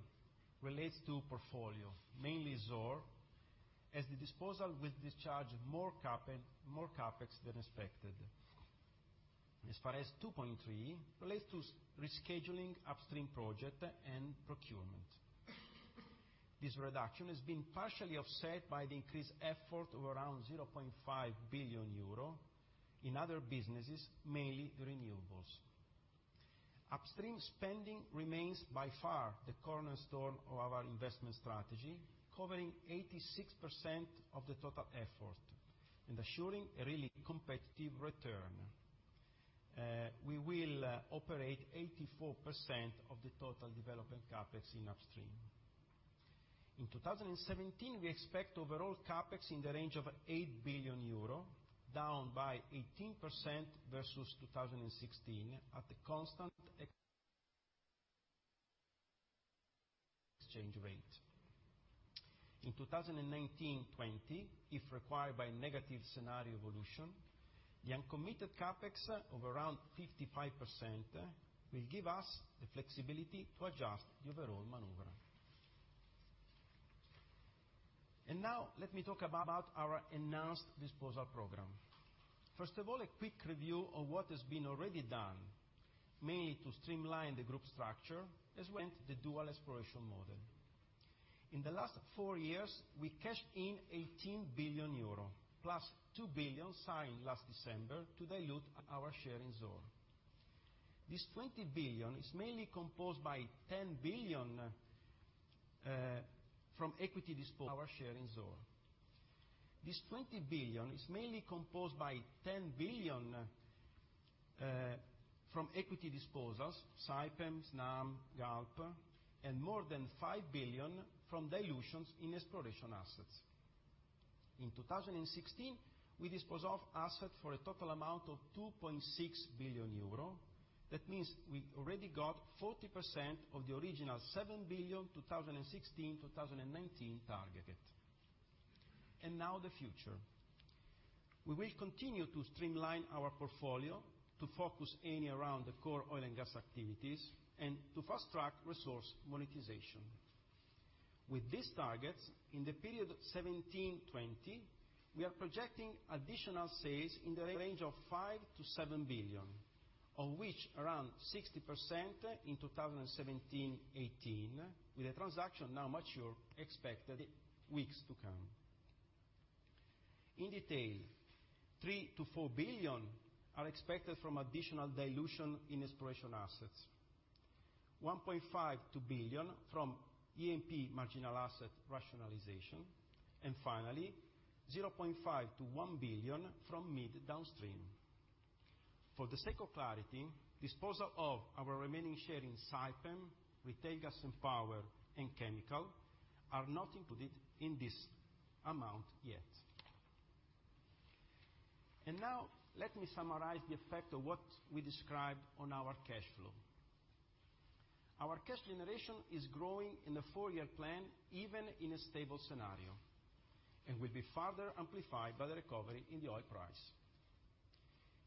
relates to portfolio, mainly Zohr, as the disposal will discharge more CapEx than expected. As far as 2.3 billion relates to rescheduling upstream project and procurement. This reduction has been partially offset by the increased effort of around 0.5 billion euro in other businesses, mainly renewables. Upstream spending remains by far the cornerstone of our investment strategy, covering 86% of the total effort and assuring a really competitive return. We will operate 84% of the total development CapEx in upstream. In 2017, we expect overall CapEx in the range of 8 billion euro, down by 18% versus 2016 at the constant exchange rate. In 2019-2020, if required by negative scenario evolution, the uncommitted CapEx of around 55% will give us the flexibility to adjust the overall maneuver. Now let me talk about our enhanced disposal program. First of all, a quick review of what has been already done, mainly to streamline the group structure as went the dual exploration model. In the last four years, we cashed in 18 billion euro, plus 2 billion signed last December to dilute our share in Zohr. This 20 billion is mainly composed by 10 billion from equity disposals, Saipem, Snam, Galp, and more than 5 billion from dilutions in exploration assets. In 2016, we disposed off asset for a total amount of 2.6 billion euro. That means we already got 40% of the original 7 billion, 2016-2019 targeted. Now the future. We will continue to streamline our portfolio to focus Eni around the core oil and gas activities and to fast-track resource monetization. With these targets, in the period 2017-2020, we are projecting additional sales in the range of 5 billion-7 billion, of which around 60% in 2017-2018, with a transaction now mature expected weeks to come. In detail, 3 billion-4 billion are expected from additional dilution in exploration assets, 1.5 to billion from E&P marginal asset rationalization, and finally, 0.5 billion-1 billion from mid downstream. For the sake of clarity, disposal of our remaining share in Saipem, Retail Gas & Power, and Chemicals are not included in this amount yet. Now let me summarize the effect of what we described on our cash flow. Our cash generation is growing in the four-year plan, even in a stable scenario, and will be further amplified by the recovery in the oil price.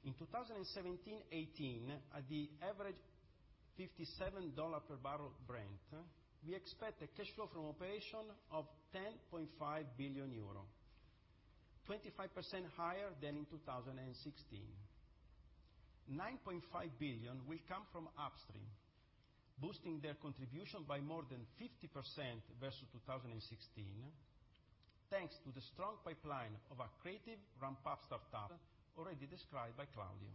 In 2017-'18, at the average $57 per barrel Brent, we expect a cash flow from operation of 10.5 billion euro, 25% higher than in 2016. 9.5 billion will come from upstream, boosting their contribution by more than 50% versus 2016, thanks to the strong pipeline of our accretive ramp-up start-up, already described by Claudio.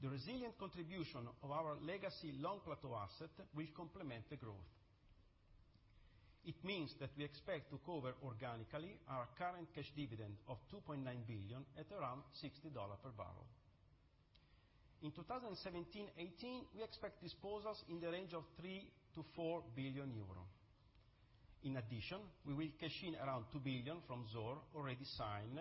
The resilient contribution of our legacy long plateau asset will complement the growth. It means that we expect to cover organically our current cash dividend of 2.9 billion at around $60 per barrel. In 2017-'18, we expect disposals in the range of 3 billion-4 billion euro. In addition, we will cash in around 2 billion from Zohr, already signed,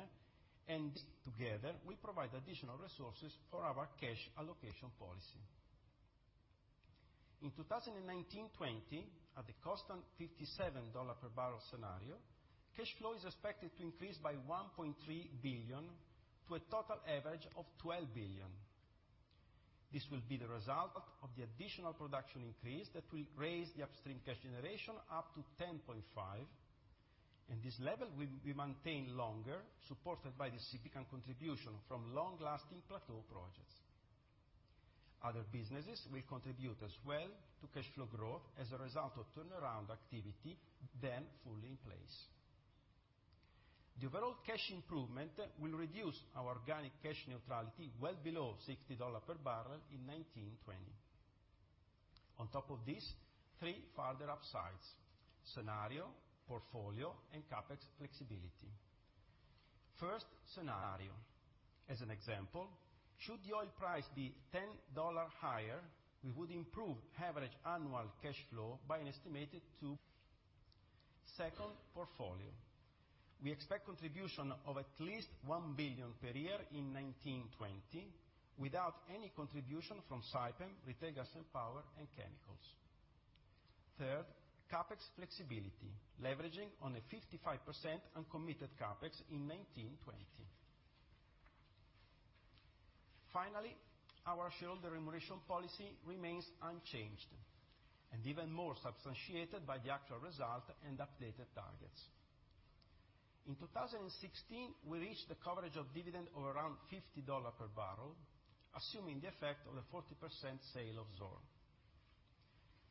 together will provide additional resources for our cash allocation policy. In 2019-'20, at the constant $57 per barrel scenario, cash flow is expected to increase by 1.3 billion to a total average of 12 billion. This will be the result of the additional production increase that will raise the upstream cash generation up to 10.5 billion. In this level, we maintain longer, supported by the significant contribution from long-lasting plateau projects. Other businesses will contribute as well to cash flow growth as a result of turnaround activity, then fully in place. The overall cash improvement will reduce our organic cash neutrality well below $60 per barrel in '19-'20. On top of this, three further upsides: scenario, portfolio, and CapEx flexibility. First, scenario. As an example, should the oil price be $10 higher, we would improve average annual cash flow by an estimated two. Second, portfolio. We expect contribution of at least 1 billion per year in '19-'20, without any contribution from Saipem, retail Gas & Power, and Chemicals. Third, CapEx flexibility, leveraging on a 55% uncommitted CapEx in '19-'20. Finally, our shareholder remuneration policy remains unchanged, even more substantiated by the actual result and updated targets. In 2016, we reached the coverage of dividend of around $50 per barrel, assuming the effect of a 40% sale of Zohr.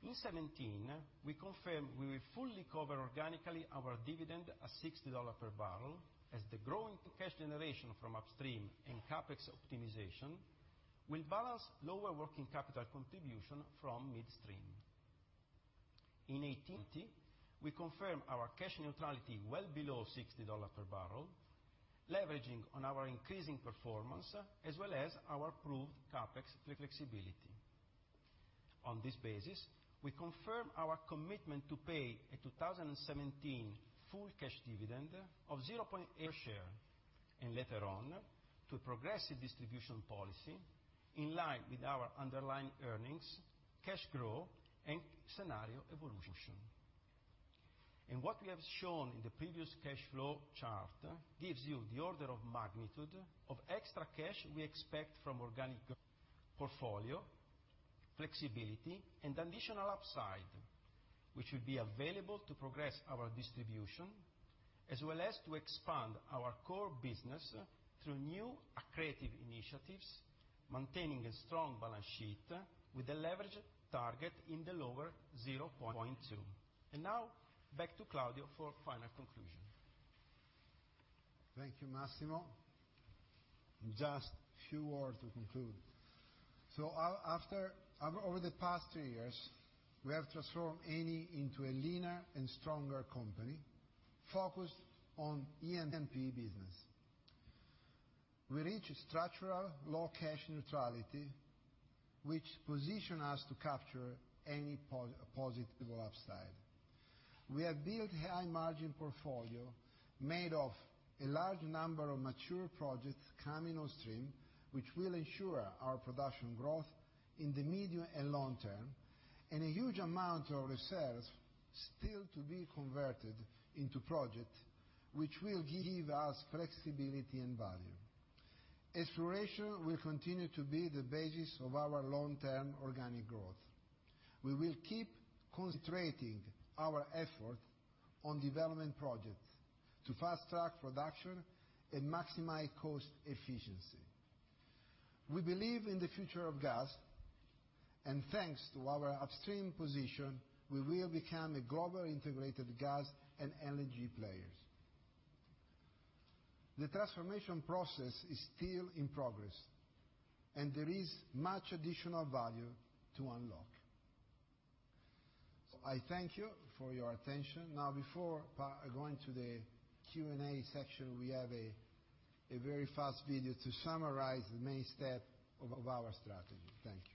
In 2017, we confirm we will fully cover organically our dividend at $60 per barrel as the growing cash generation from upstream and CapEx optimization will balance lower working capital contribution from midstream. In 2018, we confirm our cash neutrality well below $60 per barrel, leveraging on our increasing performance as well as our approved CapEx flexibility. On this basis, we confirm our commitment to pay a 2017 full cash dividend of 0.8 per share, later on, to progressive distribution policy in line with our underlying earnings, cash growth, and scenario evolution. What we have shown in the previous cash flow chart gives you the order of magnitude of extra cash we expect from organic portfolio flexibility and additional upside, which will be available to progress our distribution as well as to expand our core business through new accretive initiatives, maintaining a strong balance sheet with a leverage target in the lower 0.2. Now, back to Claudio for final conclusion. Thank you, Massimo. Just few words to conclude. Over the past two years, we have transformed Eni into a leaner and stronger company focused on E&P business. We reach structural low cash neutrality, which position us to capture any positive upside. We have built high-margin portfolio made of a large number of mature projects coming on stream, which will ensure our production growth in the medium and long term, and a huge amount of reserves still to be converted into project, which will give us flexibility and value. Exploration will continue to be the basis of our long-term organic growth. We will keep concentrating our effort on development projects to fast-track production and maximize cost efficiency. Thanks to our upstream position, we will become a global integrated gas and energy players. The transformation process is still in progress, and there is much additional value to unlock. I thank you for your attention. Before going to the Q&A section, we have a very fast video to summarize the main step of our strategy. Thank you.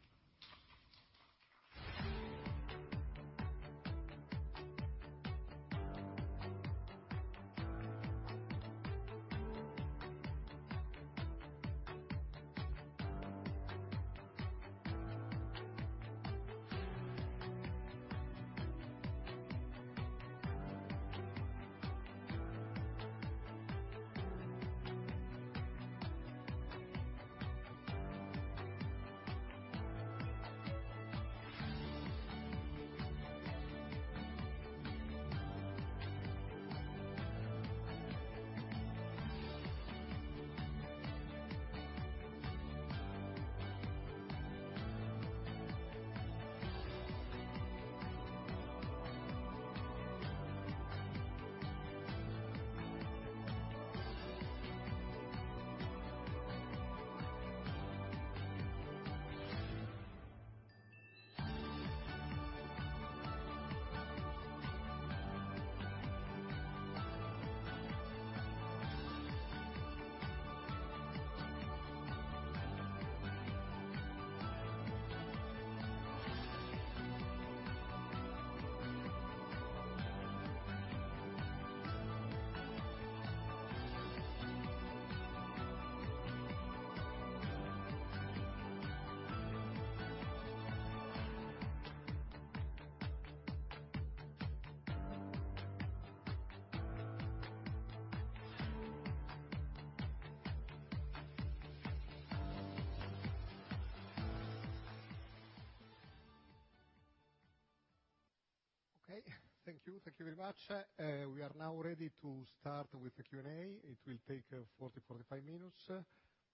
Okay. Thank you. Thank you very much. We are now ready to start with the Q&A. It will take 40-45 minutes.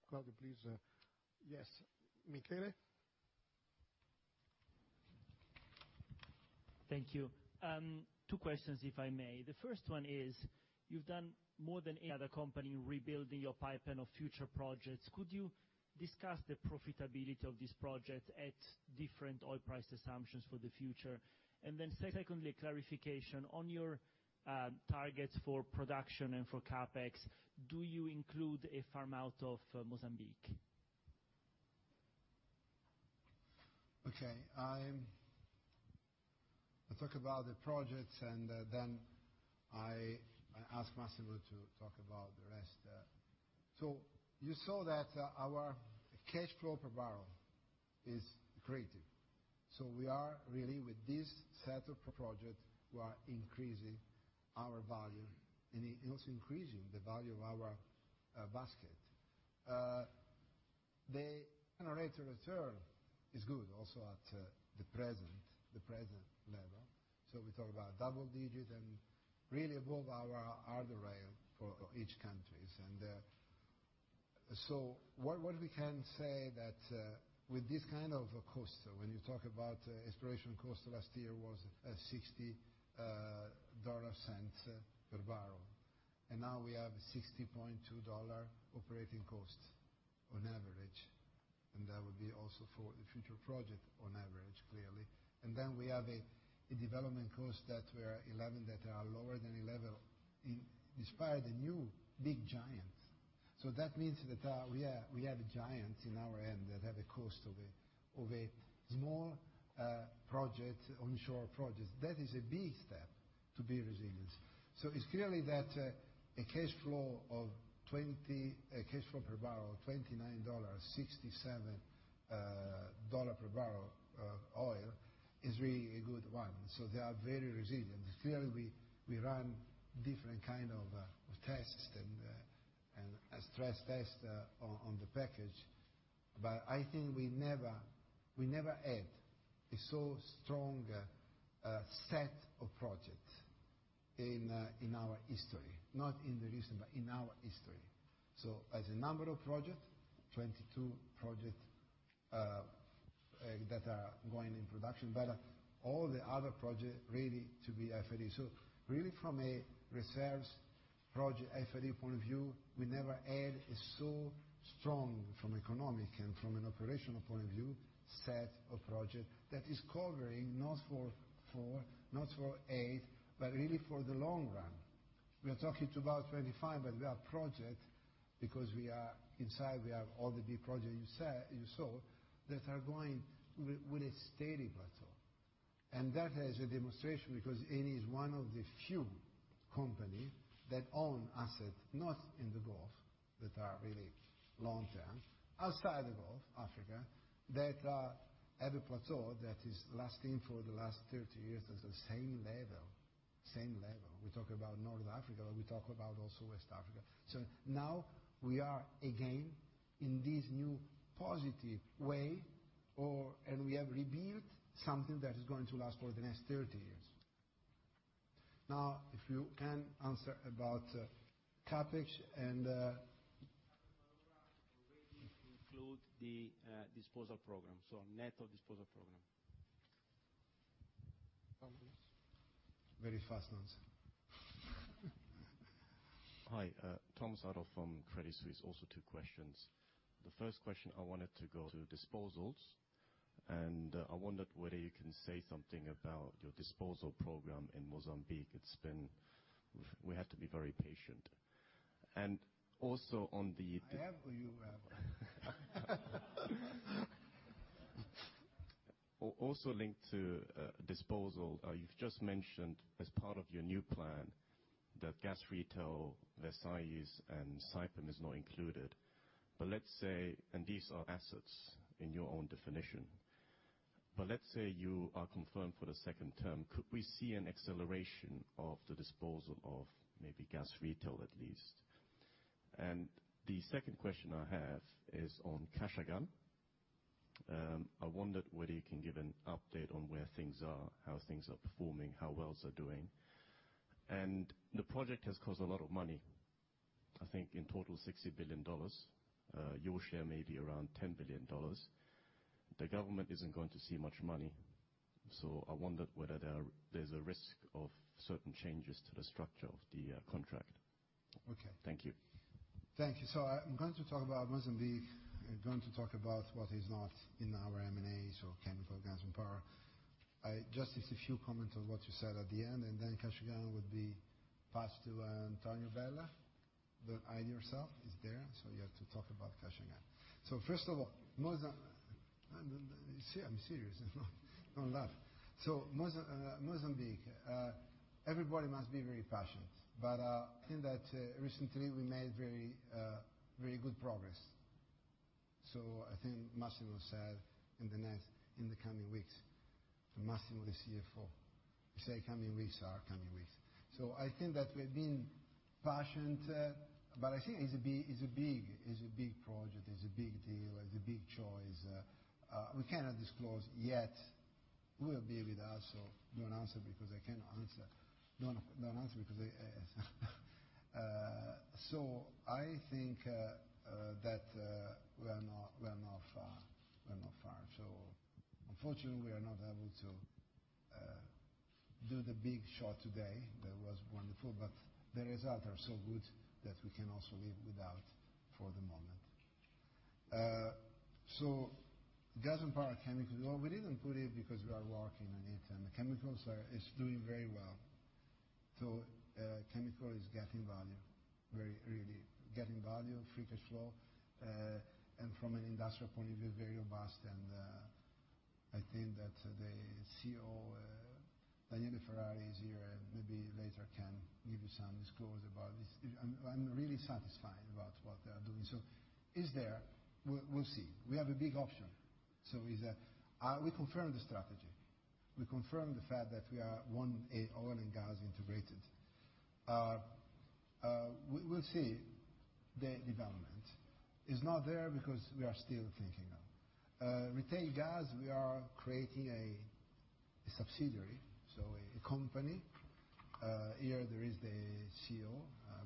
Claudio, please. Yes, Michele. Thank you. Two questions, if I may. The first one is, you've done more than any other company in rebuilding your pipeline of future projects. Could you discuss the profitability of this project at different oil price assumptions for the future? Secondly, clarification on your targets for production and for CapEx. Do you include a farm out of Mozambique? Okay. I'll talk about the projects. I ask Massimo to talk about the rest. You saw that our cash flow per barrel is accretive. We are really, with this set of projects, we are increasing our value and also increasing the value of our basket. The generator return is good also at the present level. We talk about double digit and really above our hurdle rate for each country. What we can say that with this kind of a cost, when you talk about exploration cost last year was $0.60 per barrel. Now we have $60.20 operating cost on average, and that would be also for the future project on average, clearly. We have a development cost that were 11, that are lower than 11, despite the new big giant. That means that we have a giant in our end that have a cost of a small project, onshore project. That is a big step to be resilient. It's clearly that a cash flow per barrel of EUR 29, EUR 67 per barrel of oil is really a good one. They are very resilient. We run different kind of tests and a stress test on the package. I think we never had a so strong a set of projects in our history, not in the recent, but in our history. As a number of projects, 22 projects that are going in production, but all the other projects ready to be FID. Really from a reserves project FID point of view, we never had a so strong, from economic and from an operational point of view, set of projects that is covering not for four, not for eight, but really for the long run. We are talking to about 25, but we have projects because we are inside, we have all the big projects you saw that are going with a steady plateau. That has a demonstration because Eni is one of the few companies that own assets, not in the Gulf, that are really long-term, outside the Gulf, Africa, that have a plateau that is lasting for the last 30 years at the same level. We talk about North Africa, we talk about also West Africa. Now we are again in this new positive way, and we have rebuilt something that is going to last for the next 30 years. Now, if you can answer about CapEx. It already includes the disposal program, net of disposal program. Very fast answer. Hi, Thomas Adolff from Credit Suisse. Also two questions. The first question, I wanted to go to disposals, and I wondered whether you can say something about your disposal program in Mozambique. We have to be very patient. I am or you are? Linked to disposal, you've just mentioned as part of your new plan that gas retail, Versalis, and Saipem is not included, and these are assets in your own definition. Let's say you are confirmed for the second term. Could we see an acceleration of the disposal of maybe gas retail at least? The second question I have is on Karachaganak. I wondered whether you can give an update on where things are, how things are performing, how wells are doing. The project has cost a lot of money. I think in total, EUR 60 billion. Your share may be around EUR 10 billion. The government isn't going to see much money. I wondered whether there's a risk of certain changes to the structure of the contract. Okay. Thank you. Thank you. I'm going to talk about Mozambique. I'm going to talk about what is not in our M&As or Chemicals, Gas & Power. Just a few comments on what you said at the end, then Kashagan would be passed to Antonio Vella. Irene herself is there, you have to talk about Kashagan. First of all, Mozambique. I'm serious. Don't laugh. Mozambique, everybody must be very patient. I think that recently we made very good progress. I think Massimo said in the coming weeks, Massimo, the CFO, he say coming weeks are coming weeks. I think that we're being patient. I think it's a big project, it's a big deal, it's a big choice. We cannot disclose yet, will be with us. Don't answer because I cannot answer. I think that we are not far. Unfortunately, we are not able to do the big show today. That was wonderful, the results are so good that we can also live without for the moment. Gas & Power, chemical. Well, we didn't put it because we are working on it, the Chemicals is doing very well. Chemical is getting value, really getting value, free cash flow, from an industrial point of view, very robust. I think that the CEO, Daniele Ferrari, is here, maybe later can give you some disclose about this. I'm really satisfied about what they are doing. It's there. We'll see. We have a big option. We confirm the strategy. We confirm the fact that we are one, oil and gas integrated. We'll see the development. It is not there because we are still thinking of. Retail gas, we are creating a subsidiary, a company. Here, there is the CEO,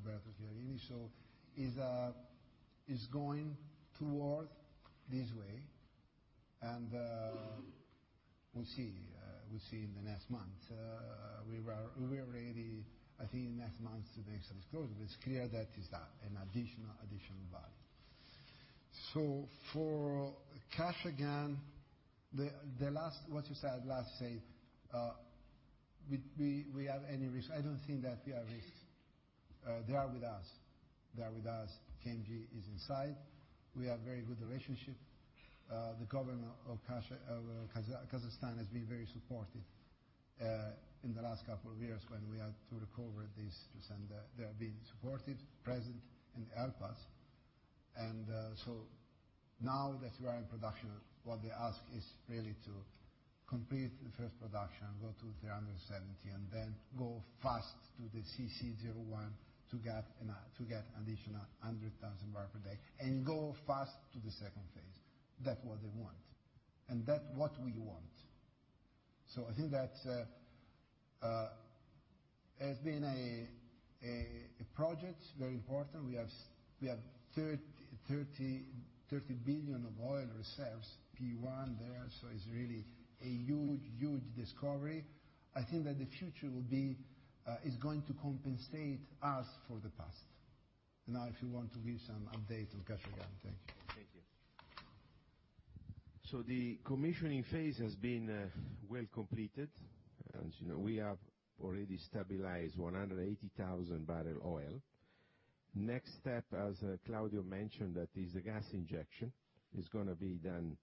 Massimo Mondazzi. It's going toward this way, we'll see in the next month. I think in the next month, the next disclose, it's clear that is an additional value. For Kashagan, what you said last, say, we have any risk. I don't think that we are risk. They are with us. KMG is inside. We have very good relationship. The government of Kazakhstan has been very supportive in the last couple of years when we had to recover this, they have been supportive, present, and help us. Now that we are in production, what they ask is really to complete the first production, go to 370, then go fast to the CC01 to get additional 100,000 barrel per day, go fast to the second phase. That's what they want. That's what we want. I think that it has been a project, very important. We have 30 billion of oil reserves, P1 there. It's really a huge discovery. I think that the future is going to compensate us for the past. Now, if you want to give some update on Karachaganak. Thank you. Thank you. The commissioning phase has been well completed. As you know, we have already stabilized 180,000 barrel oil. Next step, as Claudio mentioned, that is the gas injection, is going to be done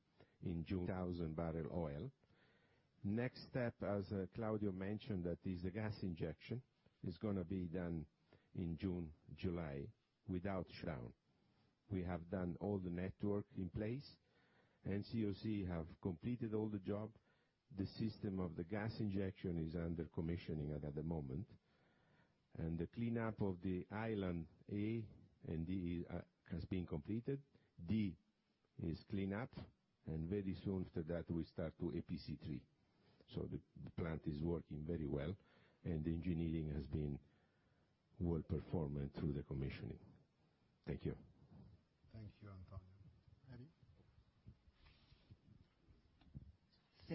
in June, July without shutdown. We have done all the network in place, and NCOC have completed all the job. The system of the gas injection is under commissioning at the moment. The cleanup of the island A and E has been completed. D is cleanup, and very soon after that, we start to APC3. The plant is working very well, and the engineering has been well-performed through the commissioning. Thank you. Thank you, Antonio.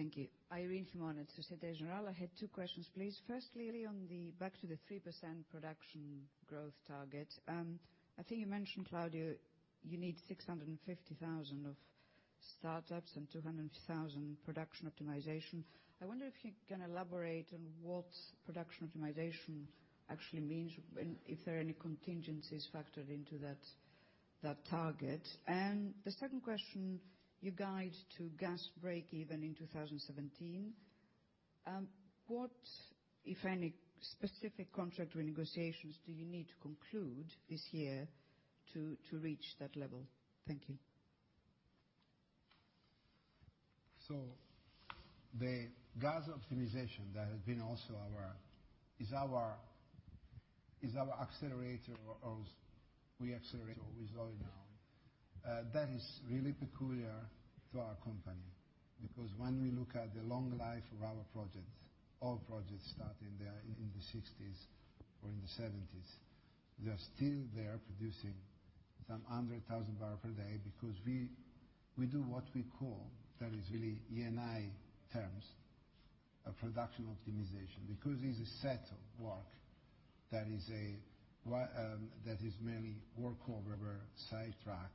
Irene? Thank you. Irene Himona at Societe Generale. I had two questions, please. Firstly, back to the 3% production growth target. I think you mentioned, Claudio, you need 650,000 of startups and 200,000 production optimization. I wonder if you can elaborate on what production optimization actually means, and if there are any contingencies factored into that target. The second question, you guide to gas breakeven in 2017. What, if any, specific contract renegotiations do you need to conclude this year to reach that level? Thank you. The gas optimization that has been also our accelerator, or we accelerate with oil now. That is really peculiar to our company, because when we look at the long life of our projects, all projects start in the 1960s or in the 1970s. They are still there producing some 100,000 barrels per day, because we do what we call, that is really Eni terms, a production optimization, because it is a set of work that is mainly workover sidetrack,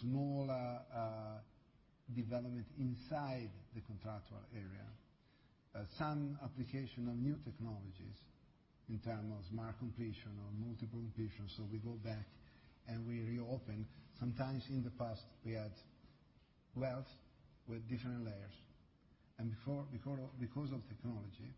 small development inside the contractual area. Some application of new technologies in terms of smart completion or multiple completion. We go back, and we reopen. Sometimes in the past, we had wells with different layers. Because of technology,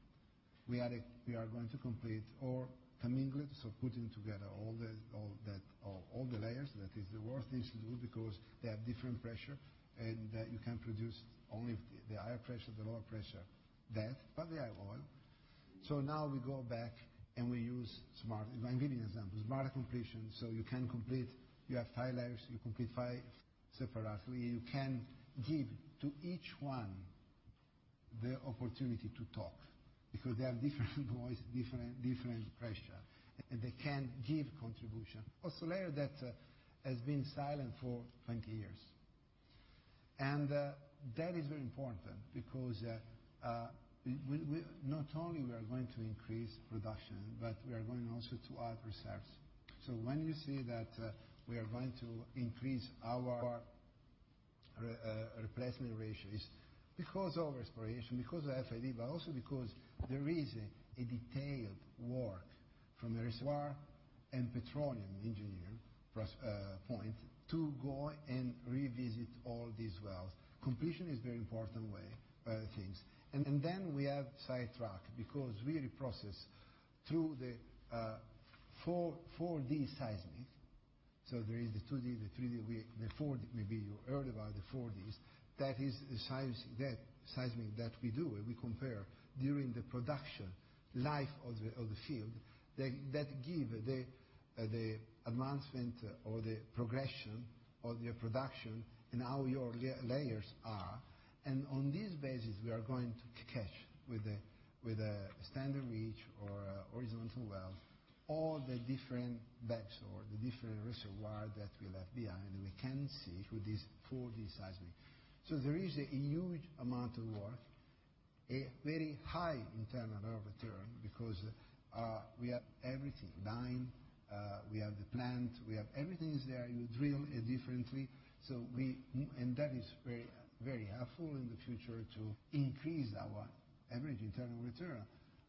we are going to complete or commingle, so putting together all the layers. That is the worst thing to do because they have different pressure. You can produce only the higher pressure, the lower pressure, but they have oil. Now we go back, and we use smart, I am giving you example, smart completion. You can complete, you have 5 layers, you complete 5 separately, and you can give to each one the opportunity to talk because they have different voice, different pressure, and they can give contribution. Layer that has been silent for 20 years. That is very important because not only we are going to increase production, but we are going also to add reserves. When you see that we are going to increase our replacement ratios because of exploration, because of FID, but also because there is a detailed work from the reservoir and petroleum engineer point to go and revisit all these wells. Completion is very important things. Then we have sidetrack because we reprocess through the 4D seismic. There is the 2D, the 3D, the 4D, maybe you heard about the 4Ds. That is the seismic that we do, and we compare during the production life of the field that give the advancement or the progression of your production, how your layers are. On this basis, we are going to catch with a standard reach or a horizontal well, all the different depths or the different reservoir that we left behind, and we can see through this 4D seismic. There is a huge amount of work, a very high internal rate of return because we have everything, we have the plant, we have everything is there. You drill it differently. That is very helpful in the future to increase our average internal return.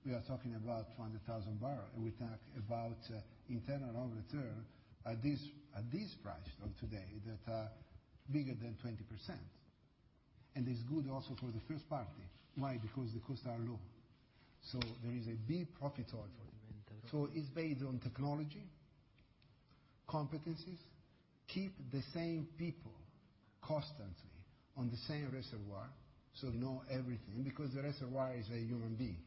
We are talking about 200,000 barrels. We talk about internal rate of return at this price of today that are bigger than 20%. It is good also for the first party. Why? Because the costs are low. There is a big profit. It is based on technology, competencies. Keep the same people constantly on the same reservoir, know everything, because the reservoir is a human being.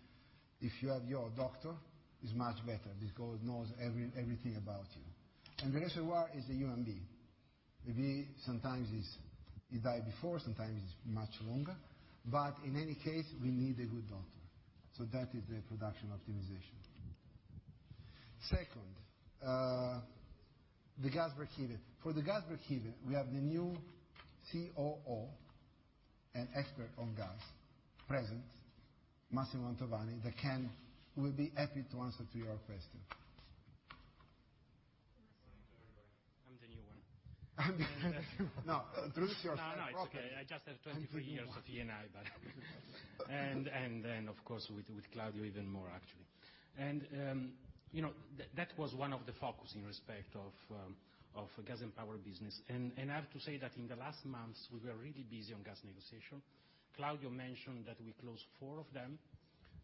If you have your doctor, it is much better because knows everything about you. The reservoir is a human being. Maybe sometimes it die before, sometimes it is much longer. In any case, we need a good doctor. That is the production optimization. Second, the gas breakeven. For the gas breakeven, we have the new COO, an expert on gas, present, Massimo Mantovani, that will be happy to answer to your question. Good morning to everybody. I'm the new one. No, introduce your brother. No, it's okay. I just have 23 years of Eni, of course, with Claudio, even more actually. That was one of the focus in respect of Gas & Power business. I have to say that in the last months, we were really busy on gas negotiation. Claudio mentioned that we closed four of them,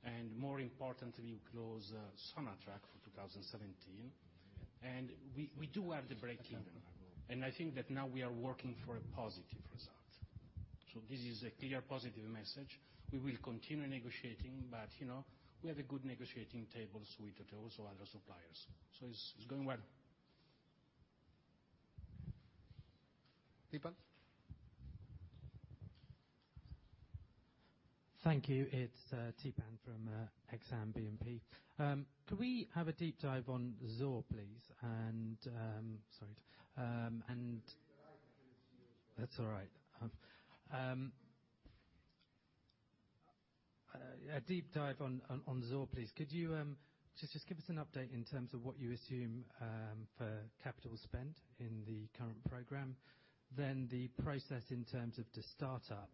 and more importantly, we close some track for 2017. We do have the breakeven. I think that now we are working for a positive result. This is a clear positive message. We will continue negotiating, but we have a good negotiating tables with also other suppliers. It's going well. Theepan? Thank you. It's Theepan from Exane BNP. Could we have a deep dive on Zohr, please? Sorry. I can introduce you as well. That's all right. A deep dive on Zohr please. Could you just give us an update in terms of what you assume for capital spend in current program, then the process in terms of the startup,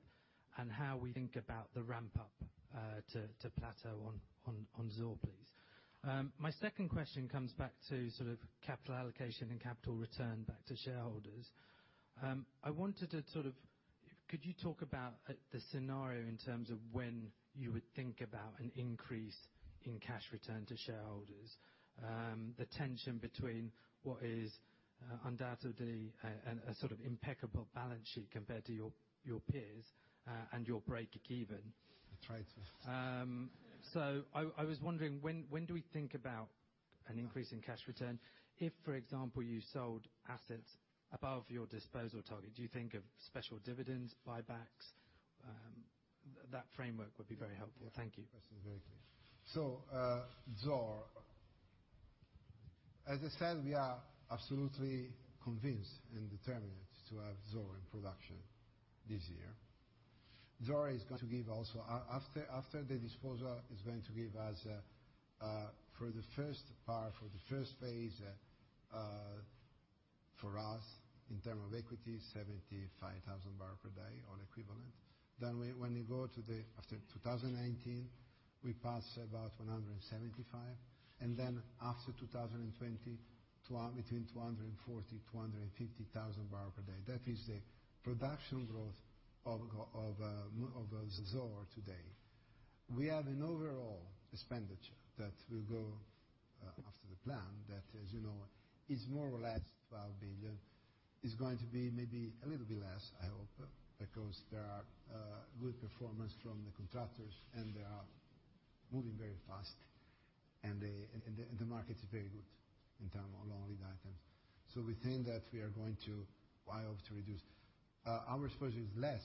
and how we think about the ramp up to plateau on Zohr, please. My second question comes back to capital allocation and capital return back to shareholders. Could you talk about the scenario in terms of when you would think about an increase in cash return to shareholders? The tension between what is undoubtedly a sort of impeccable balance sheet compared to your peers, and your break-even. I try to. I was wondering, when do we think about an increase in cash return? If, for example, you sold assets above your disposal target, do you think of special dividends, buybacks? That framework would be very helpful. Thank you. That's very clear. Zohr, as I said, we are absolutely convinced and determined to have Zohr in production this year. Zohr, after the disposal, is going to give us, for the first part, for the first phase, for us, in term of equity, 75,000 barrel per day oil equivalent. Then when we go after 2019, we pass about 175, and then after 2020, between 240,000-250,000 barrel per day. That is the production growth of Zohr today. We have an overall expenditure that will go after the plan that, as you know, is more or less 12 billion. Is going to be maybe a little bit less, I hope, because there are good performance from the contractors, and they are moving very fast, and the market's very good in term of long lead items. We think that we are going to be able to reduce. Our exposure is less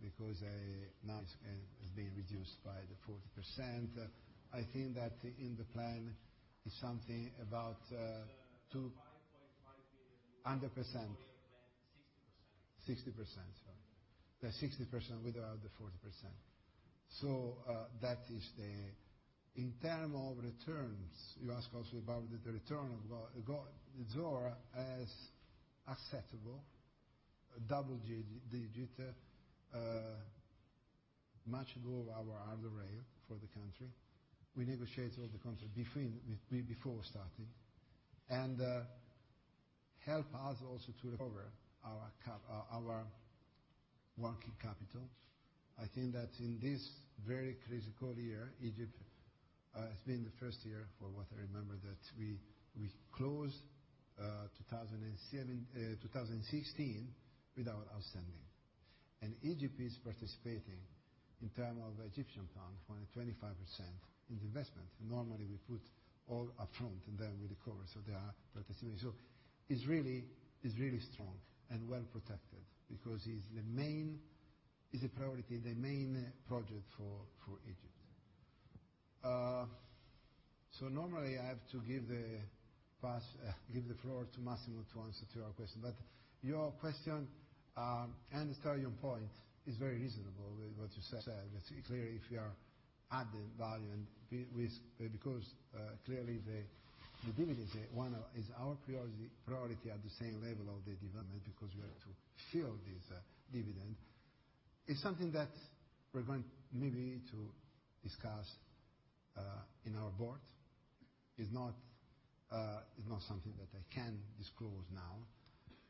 because now it's been reduced by the 40%. I think that in the plan is something about. It's 5.5 billion. 100%. 60%. 60%, sorry. The 60% without the 40%. In terms of returns, you ask also about the return of Zohr as acceptable, double digit, much above our hurdle rate for the country. We negotiate all the country before starting. Help us also to recover our working capital. I think that in this very critical year, Egypt has been the first year for what I remember that we closed 2016 without outstanding. Egypt is participating in terms of Egyptian pound, 25% in the investment. Normally, we put all up front and then we recover, so they are participating. It's really strong and well-protected because it's a priority, the main project for Egypt. Normally I have to give the floor to Massimo to answer to your question. Your question, and starting point is very reasonable, what you said. It's clear if you are adding value because, clearly the dividend is our priority at the same level of the development, because we have to fill this dividend. It's something that we're going maybe to discuss, in our board. It's not something that I can disclose now,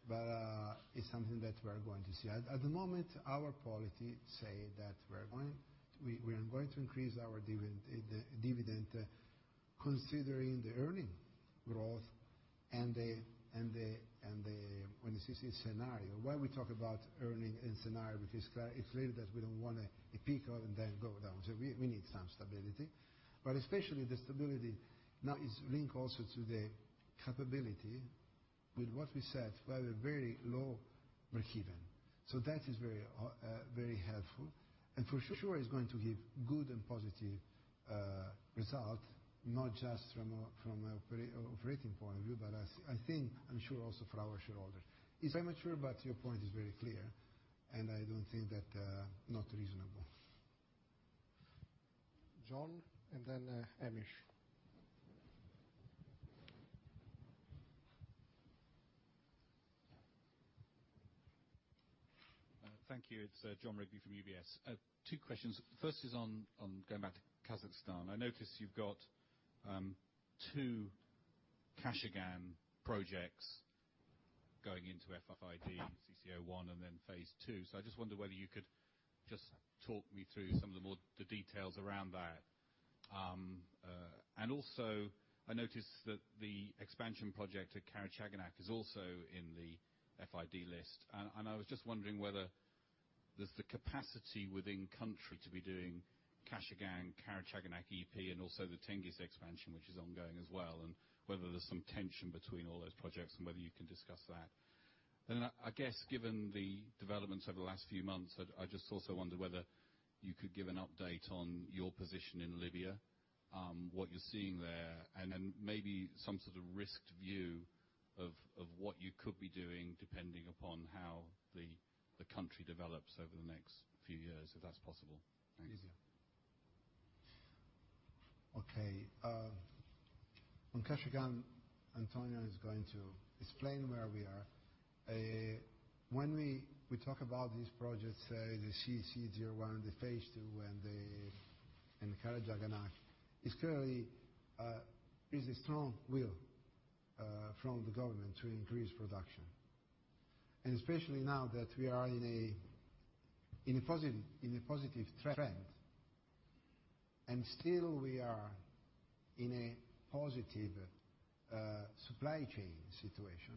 but it's something that we are going to see. At the moment, our policy says that we are going to increase our dividend considering the earning growth and the consistency scenario. Why we talk about earning and scenario, because it's clear that we don't want to peak and then go down. We need some stability, but especially the stability now is linked also to the capability with what we said, we have a very low break-even. That is very helpful. For sure it's going to give good and positive result, not just from operating point of view, but I think, I'm sure also for our shareholders. It's immature, but your point is very clear, and I don't think that not reasonable. Jon and then Hamish. Thank you. It's Jon Rigby from UBS. Two questions. First is on going back to Kazakhstan. I notice you've got two Kashagan projects going into FID, CC01 and then phase two. I just wonder whether you could just talk me through some of the details around that. Also, I noticed that the expansion project at Karachaganak is also in the FID list, and I was just wondering whether there's the capacity within country to be doing Kashagan, Karachaganak E&P, and also the Tengiz expansion, which is ongoing as well, and whether there's some tension between all those projects, and whether you can discuss that. I guess given the developments over the last few months, I just also wonder whether you could give an update on your position in Libya, what you're seeing there, and then maybe some sort of risked view of what you could be doing depending upon how the country develops over the next few years, if that's possible. Thanks. Okay. On Kashagan, Antonio is going to explain where we are. When we talk about these projects, the CC01, the phase 2, and the Karachaganak, it's clearly a strong will from the government to increase production, and especially now that we are in a positive trend, and still we are in a positive supply chain situation.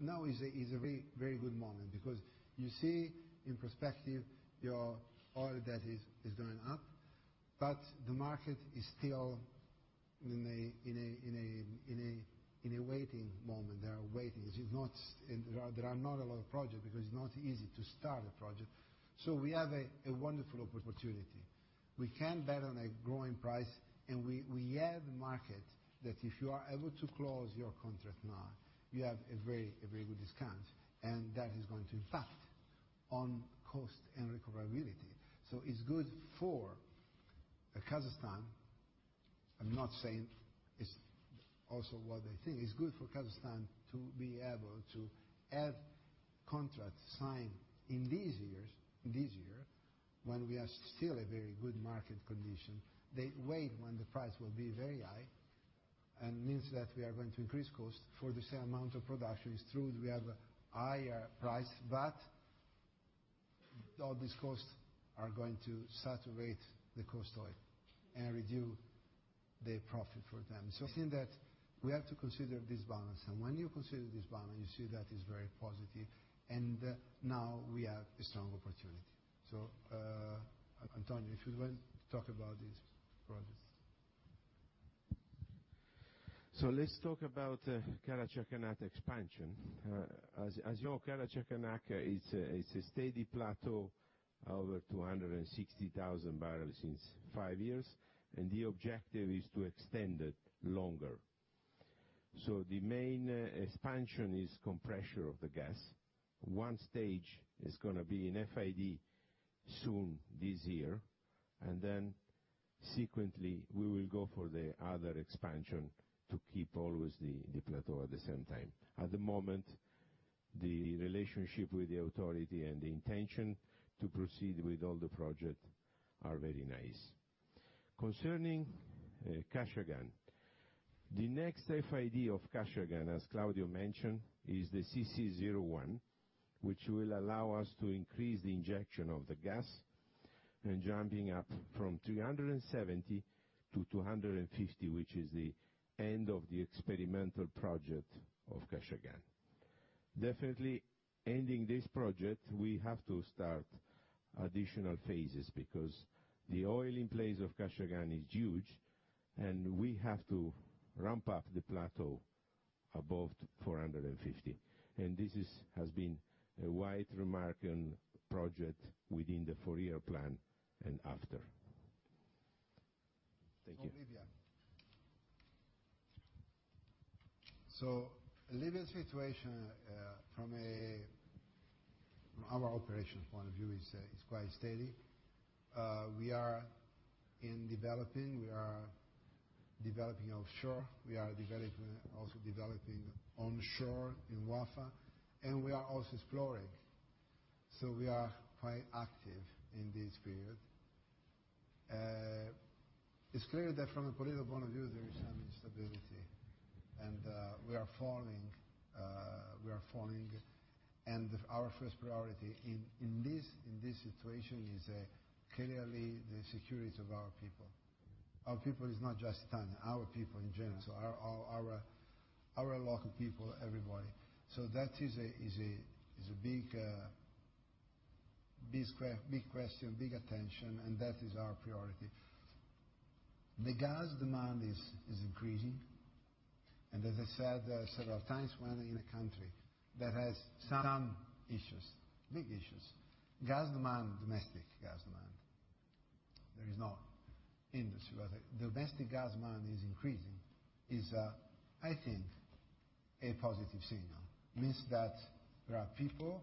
Now is a very good moment because you see in perspective your oil debt is going up, the market is still in a waiting moment. They are waiting. There are not a lot of projects because it's not easy to start a project. We have a wonderful opportunity. We can bet on a growing price, and we have market that if you are able to close your contract now, you have a very good discount, and that is going to impact on cost and recoverability. It's good for Kazakhstan. I'm not saying it's also what they think. It's good for Kazakhstan to be able to have contracts signed in this year when we are still a very good market condition. They wait when the price will be very high and means that we are going to increase cost for the same amount of production. It's true that we have a higher price, but all these costs are going to saturate the cost oil and reduce the profit for them. I think that we have to consider this balance, when you consider this balance, you see that it's very positive, now we have a strong opportunity. Antonio, if you want to talk about these projects. Let's talk about Karachaganak expansion. As you know, Karachaganak is a steady plateau over 260,000 barrels since five years, the objective is to extend it longer. The main expansion is compression of the gas. Stage 1 is going to be in FID soon this year, then subsequently, we will go for the other expansion to keep always the plateau at the same time. At the moment, the relationship with the authority and the intention to proceed with all the project are very nice. Concerning Kashagan, the next FID of Kashagan, as Claudio mentioned, is the CC01, which will allow us to increase the injection of the gas and jumping up from 370-450, which is the end of the experimental project of Kashagan. Definitely ending this project, we have to start additional phases because the oil in place of Kashagan is huge, and we have to ramp up the plateau above 450. This has been a wide remark on project within the four-year plan and after. Thank you. On Libya. Libya's situation from our operations point of view is quite steady. We are in developing. We are developing offshore. We are also developing onshore in Wafa, we are also exploring. We are quite active in this period. It's clear that from a political point of view, there is some instability, we are falling. Our first priority in this situation is clearly the security of our people. Our people is not just Italy, our people in general, our local people, everybody. That is a big question, big attention, and that is our priority. The gas demand is increasing, as I said several times, when in a country that has some issues, big issues, gas demand, domestic gas demand, there is no industry. Domestic gas demand is increasing is, I think, a positive signal. Means that there are people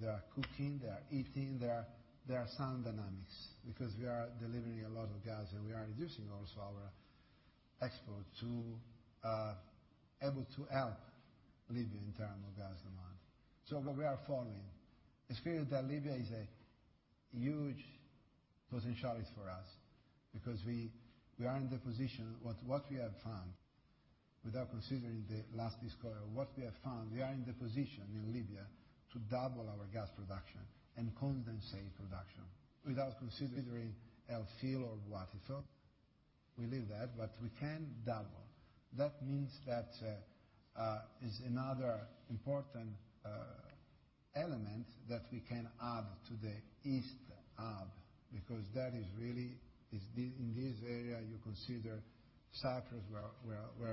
that are cooking, they are eating. There are some dynamics because we are delivering a lot of gas, we are reducing also our export to able to help Libya in term of gas demand. But we are following. It's clear that Libya is a huge potential for us because what we have found, without considering the last discovery, what we have found, we are in the position in Libya to double our gas production and condensate production without considering El Feel or Wafa. We leave that, but we can double. That means that is another important element that we can add to the East Hub, because that is really in this area, you consider Cyprus where we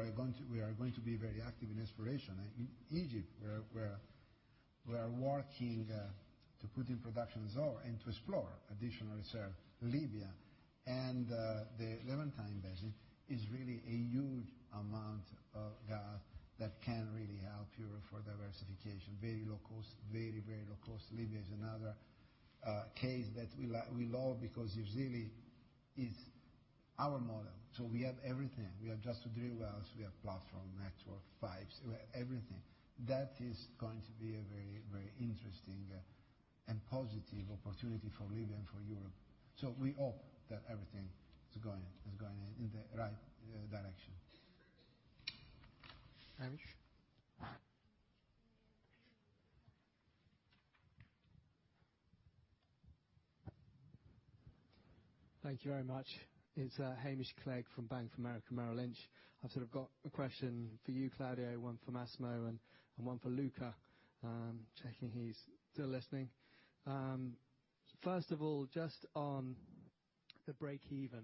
are going to be very active in exploration. In Egypt, we are working to put in production Zohr and to explore additional reserve. Libya and the Levantine Basin is really a huge amount of gas that can really help Europe for diversification. Very low cost. Libya is another A case that we love because it really is our model. We have everything. We have just the drill wells, we have platform, network, pipes, we have everything. That is going to be a very interesting and positive opportunity for Libya and for Europe. We hope that everything is going in the right direction. Hamish? Thank you very much. It's Hamish Clegg from Bank of America Merrill Lynch. I've sort of got a question for you, Claudio, one for Massimo, and one for Luca. Checking he's still listening. First of all, just on the breakeven.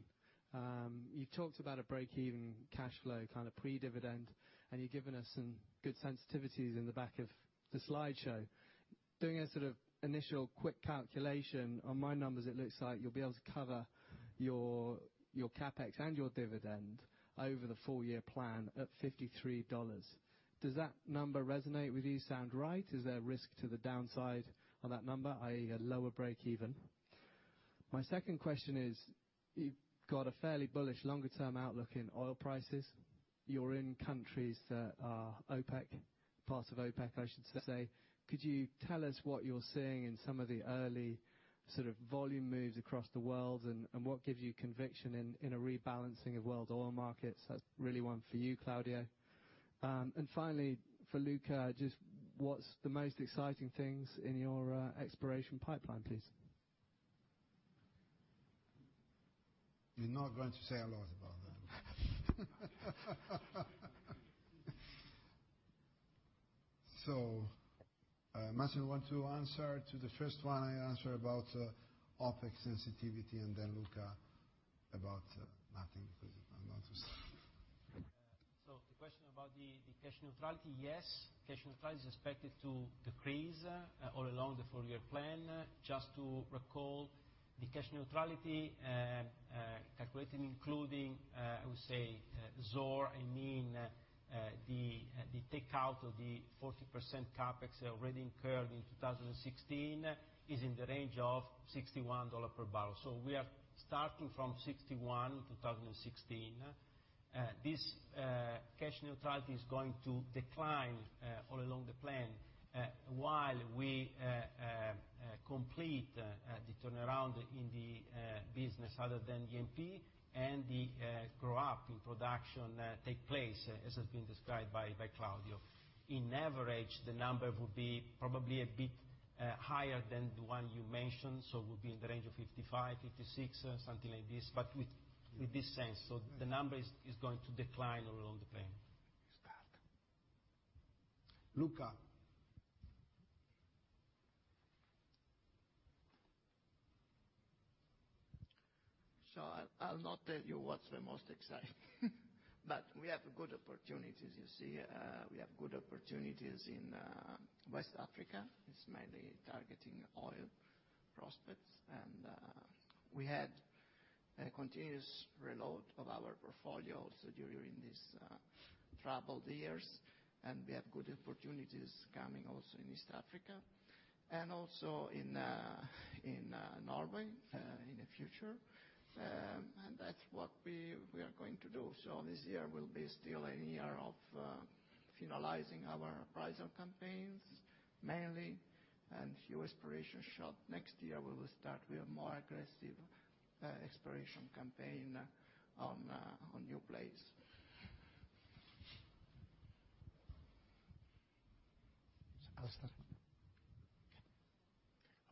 You've talked about a breakeven cash flow, kind of pre-dividend, and you've given us some good sensitivities in the back of the slideshow. Doing a sort of initial quick calculation, on my numbers, it looks like you'll be able to cover your CapEx and your dividend over the four-year plan at $53. Does that number resonate with you sound right? Is there a risk to the downside of that number, i.e. a lower breakeven? My second question is, you've got a fairly bullish longer-term outlook in oil prices. You're in countries that are OPEC, part of OPEC, I should say. Could you tell us what you're seeing in some of the early volume moves across the world, and what gives you conviction in a rebalancing of world oil markets? That's really one for you, Claudio. Finally, for Luca, just what's the most exciting things in your exploration pipeline, please? You're not going to say a lot about that. Massimo, want to answer to the first one? I answer about OpEx sensitivity, Luca about nothing, because I'm not going to say. The question about the cash neutrality. Yes, cash neutrality is expected to decrease all along the four-year plan. Just to recall, the cash neutrality calculated including, I would say, Zohr and Nooros, the takeout of the 40% CapEx already incurred in 2016, is in the range of $61 per barrel. We are starting from $61 in 2016. This cash neutrality is going to decline all along the plan while we complete the turnaround in the business other than E&P, and the grow-up in production take place, as has been described by Claudio. In average, the number would be probably a bit higher than the one you mentioned, would be in the range of 55, 56, something like this, but with this sense. The number is going to decline all along the plan. It's bad. Luca? I'll not tell you what's the most exciting but we have good opportunities, you see. We have good opportunities in West Africa. It's mainly targeting oil prospects. We had a continuous reload of our portfolio, also during these troubled years. We have good opportunities coming also in East Africa, and also in Norway in the future. That's what we are going to do. This year will be still a year of finalizing our appraisal campaigns, mainly, and few exploration shot. Next year, we will start with more aggressive exploration campaign on new plays. Alastair.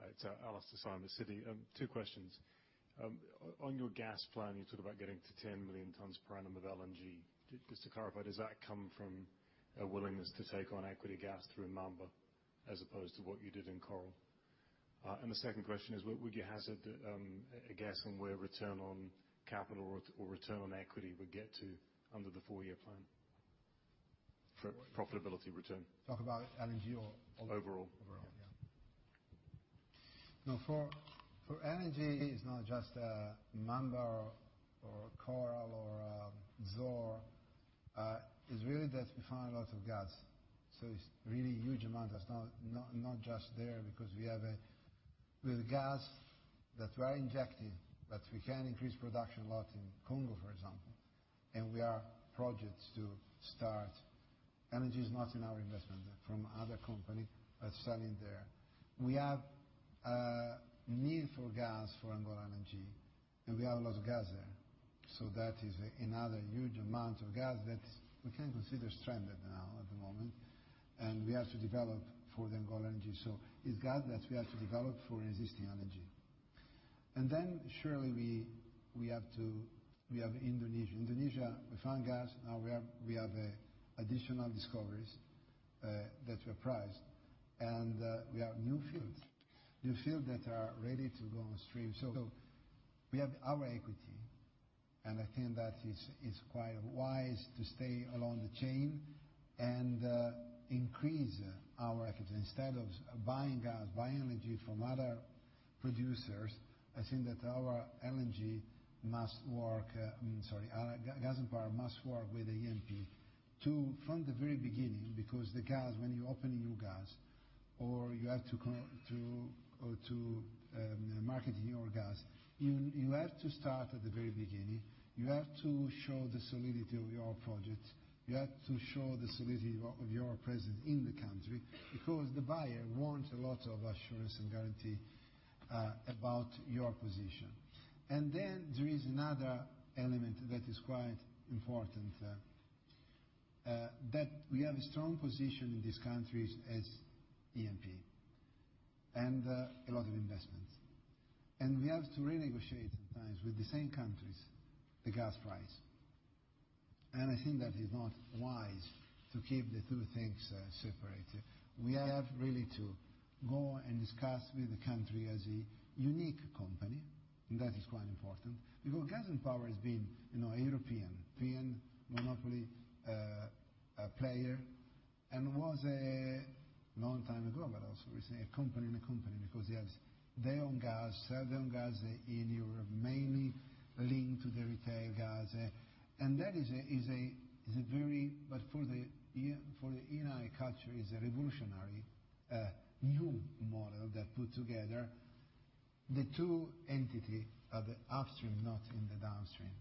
Hi, it's Alastair Syme with Citi. Two questions. On your gas plan, you talk about getting to 10 million tons per annum of LNG. Just to clarify, does that come from a willingness to take on equity gas through Mamba, as opposed to what you did in Coral? The second question is, would you hazard a guess on where return on capital or return on equity would get to under the four-year plan? For profitability return. Talk about LNG or overall? Overall. Overall. For LNG, it's not just Mamba or Coral or Zohr. It's really that we find a lot of gas. It's really huge amount. It's not just there because we have gas that we are injecting, that we can increase production a lot in Congo, for example, and we are projects to start. LNG is not in our investment. They're from other company that's selling there. We have a need for gas for Angola LNG, and we have a lot of gas there. That is another huge amount of gas that we can consider stranded now at the moment, and we have to develop for the Angola LNG. It's gas that we have to develop for existing LNG. Surely we have Indonesia. Indonesia, we found gas. Now we have additional discoveries that were priced, and we have new fields. New fields that are ready to go on stream. We have our equity, and I think that is quite wise to stay along the chain and increase our equity. Instead of buying gas, buying LNG from other producers, I think that our Gas & Power must work with E&P from the very beginning, because the gas, when you open a new gas or you have to market your gas, you have to start at the very beginning. You have to show the solidity of your project. You have to show the solidity of your presence in the country, because the buyer wants a lot of assurance and guarantee about your position. There is another element that is quite important, that we have a strong position in these countries as Eni and a lot of investments. We have to renegotiate sometimes with the same countries, the gas price. I think that is not wise to keep the two things separated. We have really to go and discuss with the country as a unique company, and that is quite important because Gas and Power has been a European monopoly player, and was a long time ago, but I was always saying a company in a company because they own gas, sell their own gas in Europe, mainly linked to the retail gas. For the Eni culture is a revolutionary, new model that put together the two entities of the upstream, not in the downstream,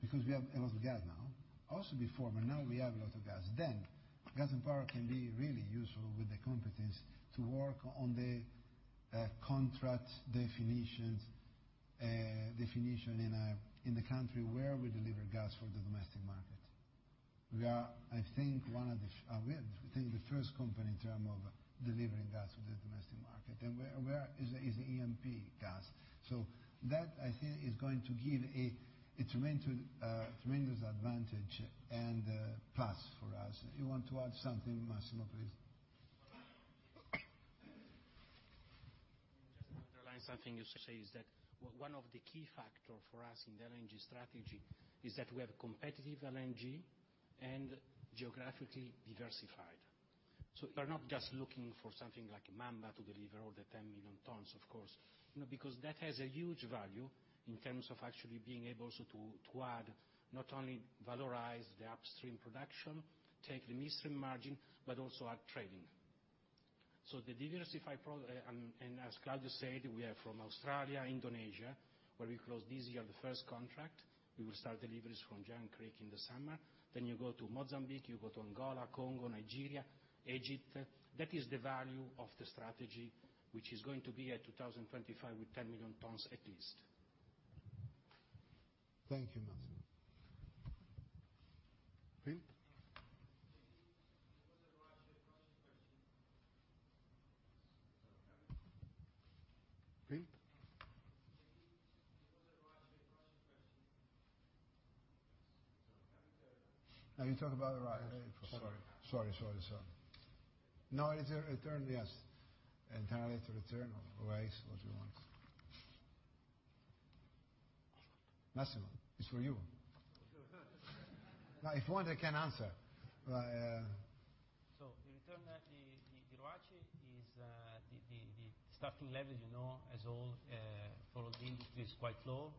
because we have a lot of gas now. Also before, but now we have a lot of gas. Gas and Power can be really useful with the competence to work on the contract definition in the country where we deliver gas for the domestic market. We are, I think, the first company in terms of delivering gas for the domestic market, and where is Eni gas. That I think is going to give a tremendous advantage and plus for us. You want to add something, Massimo? Please. Just to underline something you say, is that one of the key factor for us in the LNG strategy is that we have competitive LNG and geographically diversified. We are not just looking for something like Mamba to deliver all the 10 million tons, of course. Because that has a huge value in terms of actually being able to add, not only valorize the upstream production, take the midstream margin, but also our trading. The diversified product, and as Claudio said, we are from Australia, Indonesia, where we closed this year the first contract. We will start deliveries from Jangkrik in the summer. You go to Mozambique, you go to Angola, Congo, Nigeria, Egypt. That is the value of the strategy, which is going to be at 2025 with 10 million tons at least. Thank you, Massimo. hmm? Are you talking about ROACE? Sorry. Sorry. It is return, yes. Internal return on ROACE, what you want. Massimo, it's for you. If you want, I can answer. The return, the ROACE, is the starting level, as all followed the industry is quite low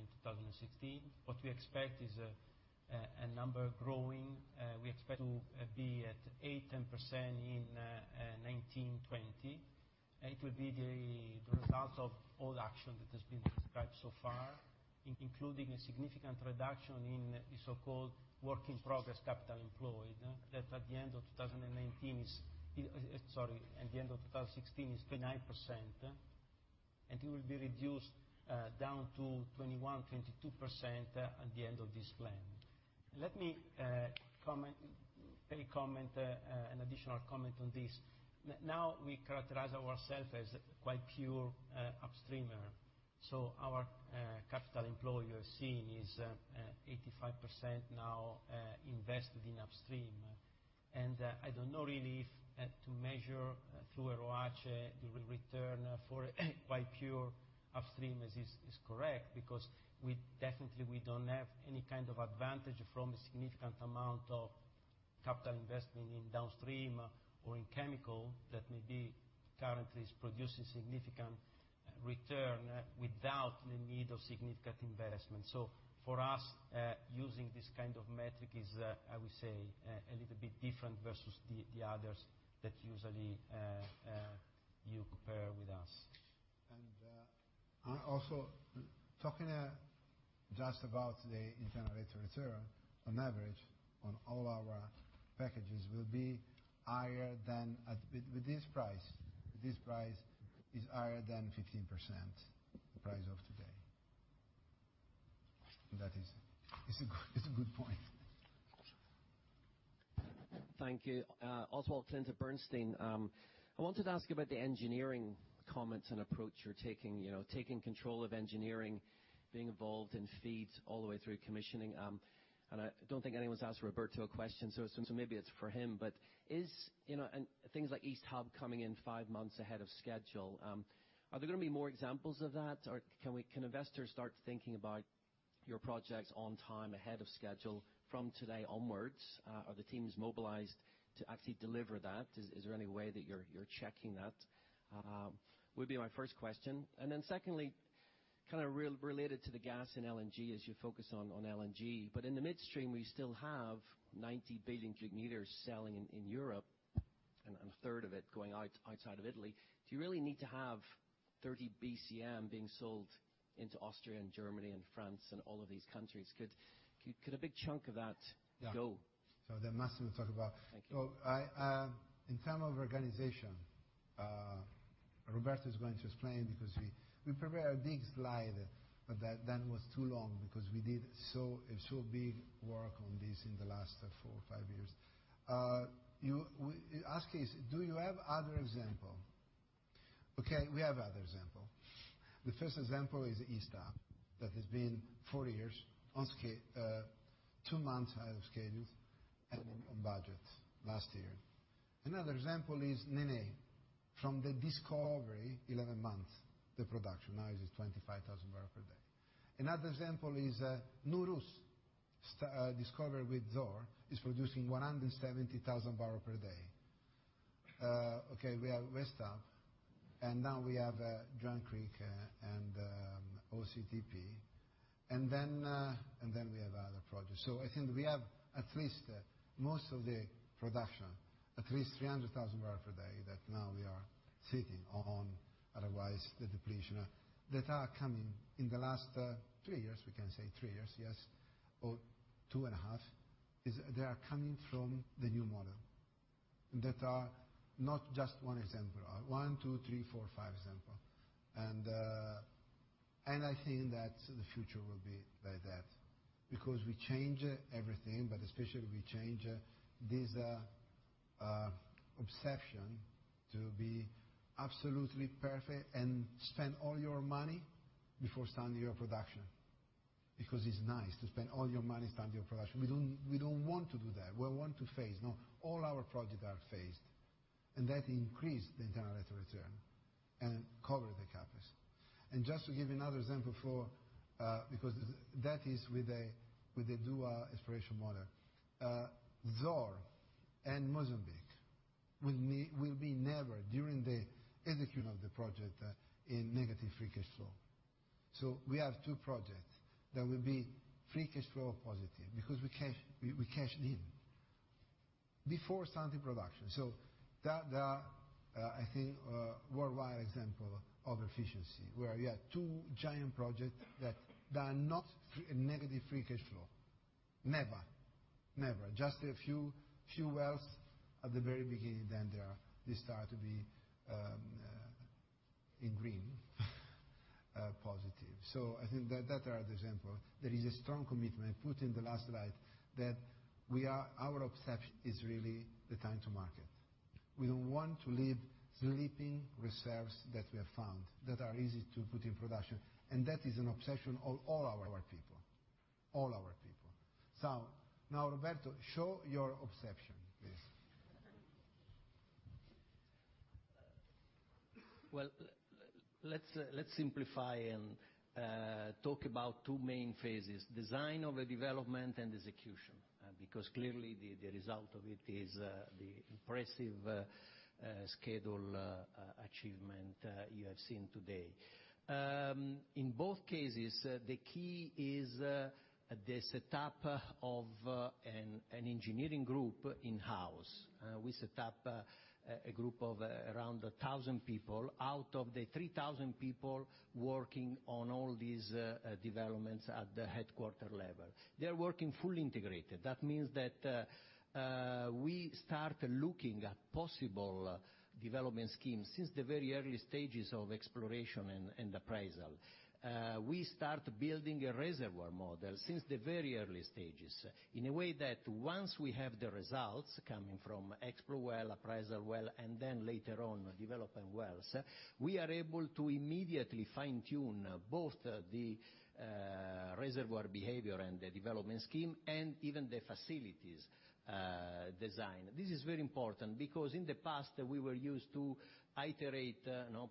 in 2016. What we expect is a number growing. We expect to be at 8%-10% in 2019, 2020. It will be the result of all action that has been described so far, including a significant reduction in the so-called work-in-progress capital employed. That at the end of 2019 is. Sorry, at the end of 2016 is 29%, and it will be reduced down to 21%-22% at the end of this plan. Let me make an additional comment on this. Now we characterize ourselves as quite pure upstream. Our capital employed, you're seeing is 85% now invested in upstream. I don't know really if to measure through a ROACE, the return for quite pure upstream is correct, because we definitely we don't have any kind of advantage from a significant amount of capital investment in downstream or in chemical that may be currently is producing significant return without the need of significant investment. For us, using this kind of metric is, I would say, a little bit different versus the others that usually you compare with us. Also talking just about the internal rate of return on average on all our packages will be, with this price, higher than 15%, the price of today. That is a good point. Thank you. Oswald Clint of Bernstein. I wanted to ask about the engineering comments and approach you're taking. Taking control of engineering, being involved in FEED all the way through commissioning. I don't think anyone's asked Roberto a question, so maybe it's for him. Things like East Hub coming in five months ahead of schedule. Are there going to be more examples of that? Or can investors start thinking about your projects on time, ahead of schedule from today onwards? Are the teams mobilized to actually deliver that? Is there any way that you're checking that? Would be my first question. Then secondly- Kind of related to the gas and LNG as you focus on LNG, in the midstream, we still have 90 billion cubic meters selling in Europe, and a third of it going outside of Italy. Do you really need to have 30 BCM being sold into Austria and Germany and France and all of these countries? Could a big chunk of that go? Yeah. That Massimo will talk about. Thank you. In terms of organization, Roberto is going to explain because we prepared a big slide, that was too long because we did so big work on this in the last four or five years. You ask, do you have other examples? We have other examples. The first example is East Hub, that has been four years, two months out of schedule, and on budget last year. Another example is Nené Marine. From the discovery, 11 months, the production. Now it is 25,000 barrels per day. Another example is Nooros, discovered with Zohr, is producing 170,000 barrels per day. We have West Hub, and now we have Jangkrik and OCTP, and then we have other projects. I think we have at least most of the production, at least 300,000 barrels per day, that now we are sitting on. Otherwise, the depletion that are coming in the last three years, we can say three years, yes, or two and a half, they are coming from the new model that are not just one example. One, two, three, four, five examples. I think that the future will be like that because we change everything, especially we change this obsession to be absolutely perfect and spend all your money before starting your production because it's nice to spend all your money starting your production. We don't want to do that. We want to phase. Now all our projects are phased, that increase the internal rate of return and cover the CapEx. Just to give you another example. Because that is with the dual exploration model. Zohr and Mozambique will be never, during the execution of the project, in negative free cash flow. We have two projects that will be free cash flow positive because we cash in before starting production. That, I think, worldwide example of efficiency, where you have two giant projects that are not negative free cash flow. Never. Just a few wells at the very beginning then they start to be in green, positive. I think that are the example. There is a strong commitment put in the last slide that our obsession is really the time to market. We don't want to leave sleeping reserves that we have found that are easy to put in production, and that is an obsession of all our people. Now, Roberto, show your obsession please. Well, let's simplify and talk about two main phases, design of the development and execution, because clearly the result of it is the impressive schedule achievement you have seen today. In both cases, the key is the setup of an engineering group in-house. We set up a group of around 1,000 people out of the 3,000 people working on all these developments at the headquarter level. They're working fully integrated. That means that we start looking at possible development schemes since the very early stages of exploration and appraisal. We start building a reservoir model since the very early stages in a way that once we have the results coming from explore well, appraise well, and then later on development wells, we are able to immediately fine-tune both the reservoir behavior and the development scheme, and even the facilities design. This is very important because in the past we were used to iterate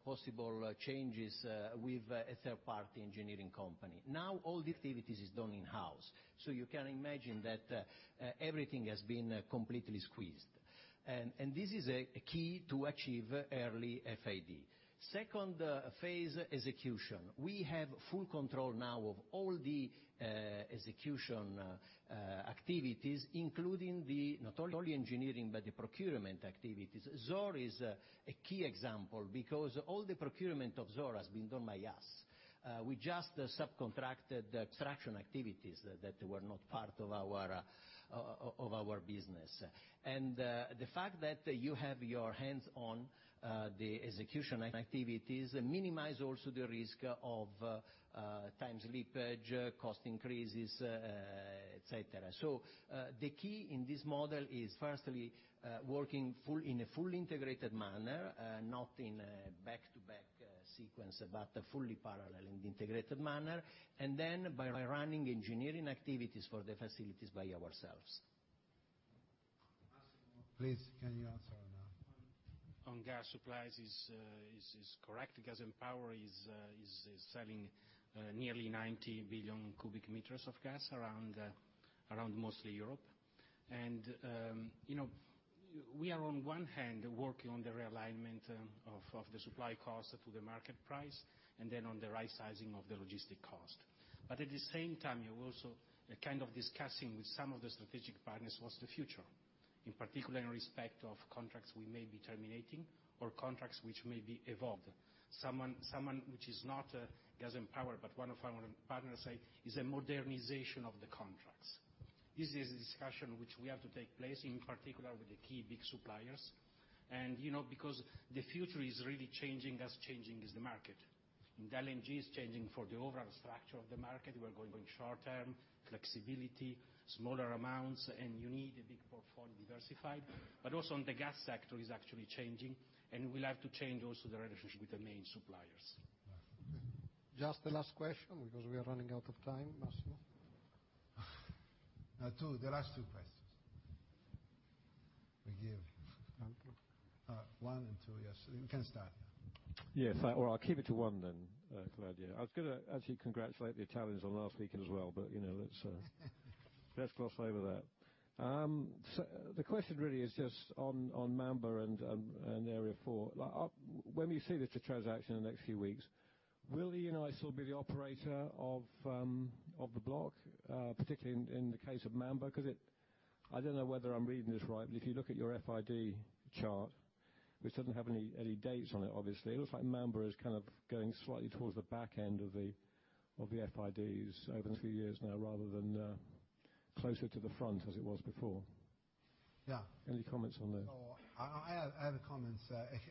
possible changes with a third-party engineering company. Now all the activities is done in-house, you can imagine that everything has been completely squeezed. This is a key to achieve early FID. Second phase, execution. We have full control now of all the execution activities, including the not only engineering, but the procurement activities. Zohr is a key example because all the procurement of Zohr has been done by us. We just subcontracted the extraction activities that were not part of our business. The fact that you have your hands on the execution activities minimize also the risk of time slippage, cost increases, et cetera. The key in this model is firstly, working in a fully integrated manner, not in a back-to-back sequence, but a fully parallel integrated manner, and then by running engineering activities for the facilities by ourselves. Please, can you answer now? On gas supplies is correct. Gas & Power is selling nearly 90 billion cubic meters of gas around mostly Europe. We are on one hand working on the realignment of the supply cost to the market price, on the right sizing of the logistic cost. At the same time, you're also kind of discussing with some of the strategic partners what's the future. In particular, in respect of contracts we may be terminating or contracts which may be evolved. Someone which is not Gas & Power, but one of our partners say, is a modernization of the contracts. This is a discussion which we have to take place, in particular with the key big suppliers. Because the future is really changing as changing is the market. In LNG is changing for the overall structure of the market. We're going very short term, flexibility, smaller amounts, you need a big portfolio diversified, also on the gas sector is actually changing, we'll have to change also the relationship with the main suppliers. Just the last question, because we are running out of time, Massimo. Two, the last two questions. We give one and two. Yes, you can start. Yes. I'll keep it to one, Claudio. I was going to actually congratulate the Italians on last weekend as well, let's gloss over that. The question really is just on Mamba and Area 4. When we see there's a transaction in the next few weeks, will Eni still be the operator of the block, particularly in the case of Mamba? Because I don't know whether I'm reading this right, but if you look at your FID chart, which doesn't have any dates on it obviously, it looks like Mamba is kind of going slightly towards the back end of the FIDs over the few years now, rather than closer to the front as it was before. Yeah. Any comments on that? I have a comment.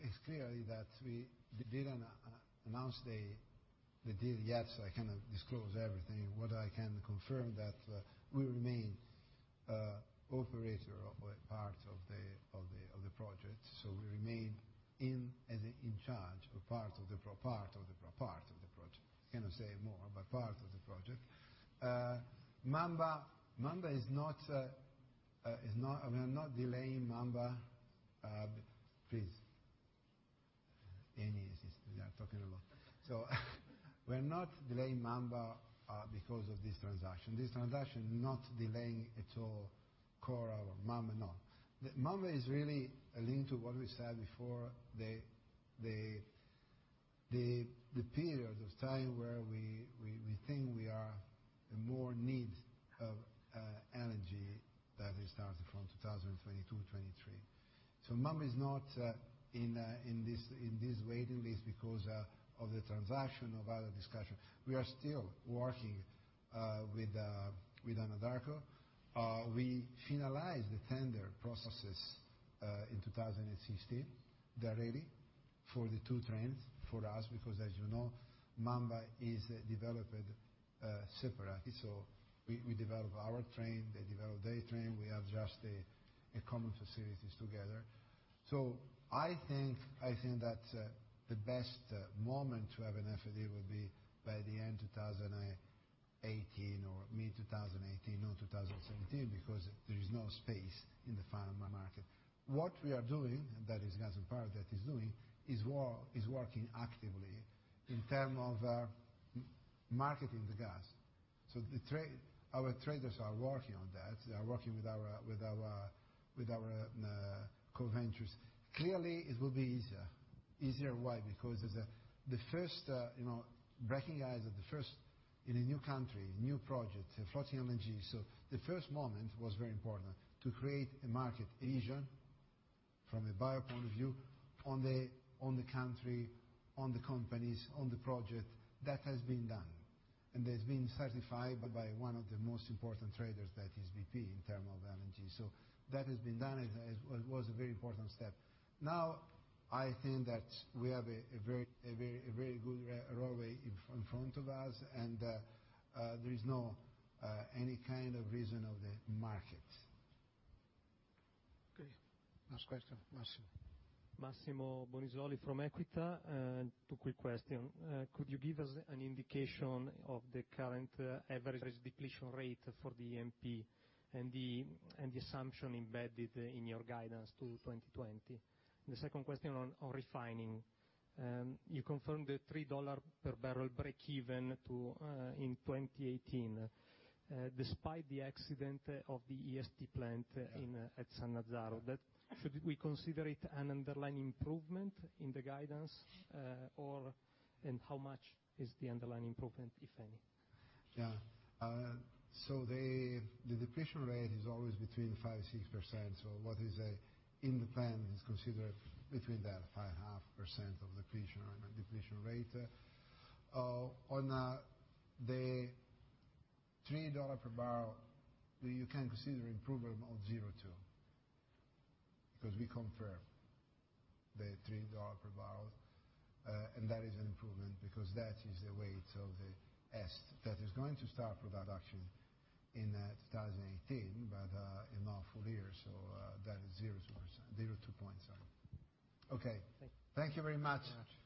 It's clearly that we didn't announce the deal yet, I cannot disclose everything. What I can confirm that we remain operator of a part of the project. We remain in charge of part of the project. Cannot say more, part of the project. We are not delaying Mamba. Please, Eni is talking a lot. We're not delaying Mamba because of this transaction. This transaction not delaying at all Coral or Mamba, no. Mamba is really a link to what we said before, the periods of time where we think we are in more need of energy that will start from 2022-23. Mamba is not in this waiting list because of the transaction, of our discussion. We are still working with Anadarko. We finalized the tender processes, in 2016. They're ready for the two trains for us because as you know, Mamba is developed separately. We develop our train, they develop their train, we have just a common facilities together. I think that the best moment to have an FID would be by the end 2018 or mid-2018 or 2017 because there is no space in the final market. What we are doing, that is Gas & Power that is doing, is working actively in terms of marketing the gas. Our traders are working on that. They are working with our co-ventures. Clearly, it will be easier. Easier why? Because the first breaking ice at the first in a new country, new project, a floating LNG. The first moment was very important to create a market adhesion from a buyer point of view, on the country, on the companies, on the project. That has been done, it has been certified by one of the most important traders that is BP in terms of LNG. That has been done. It was a very important step. I think that we have a very good railway in front of us, there is no any kind of reason of the market. Okay. Last question. Massimo. Massimo Bonisoli from Equita. Two quick questions. Could you give us an indication of the current average depletion rate for the E&P and the assumption embedded in your guidance to 2020? The second question on refining. You confirmed the $3 per barrel breakeven in 2018, despite the accident of the EST plant in- Yeah at Sannazzaro. Should we consider it an underlying improvement in the guidance or, how much is the underlying improvement, if any? Yeah. The depletion rate is always between 5% and 6%. What is in the plan is considered between that 5.5% of depletion rate. On the $3 per barrel, you can consider improvement of $0.2 because we confirm the $3 per barrel, that is an improvement because that is the weight of the EST that is going to start production in 2018, but in a full year. That is $0.2. Okay. Thank you. Thank you very much.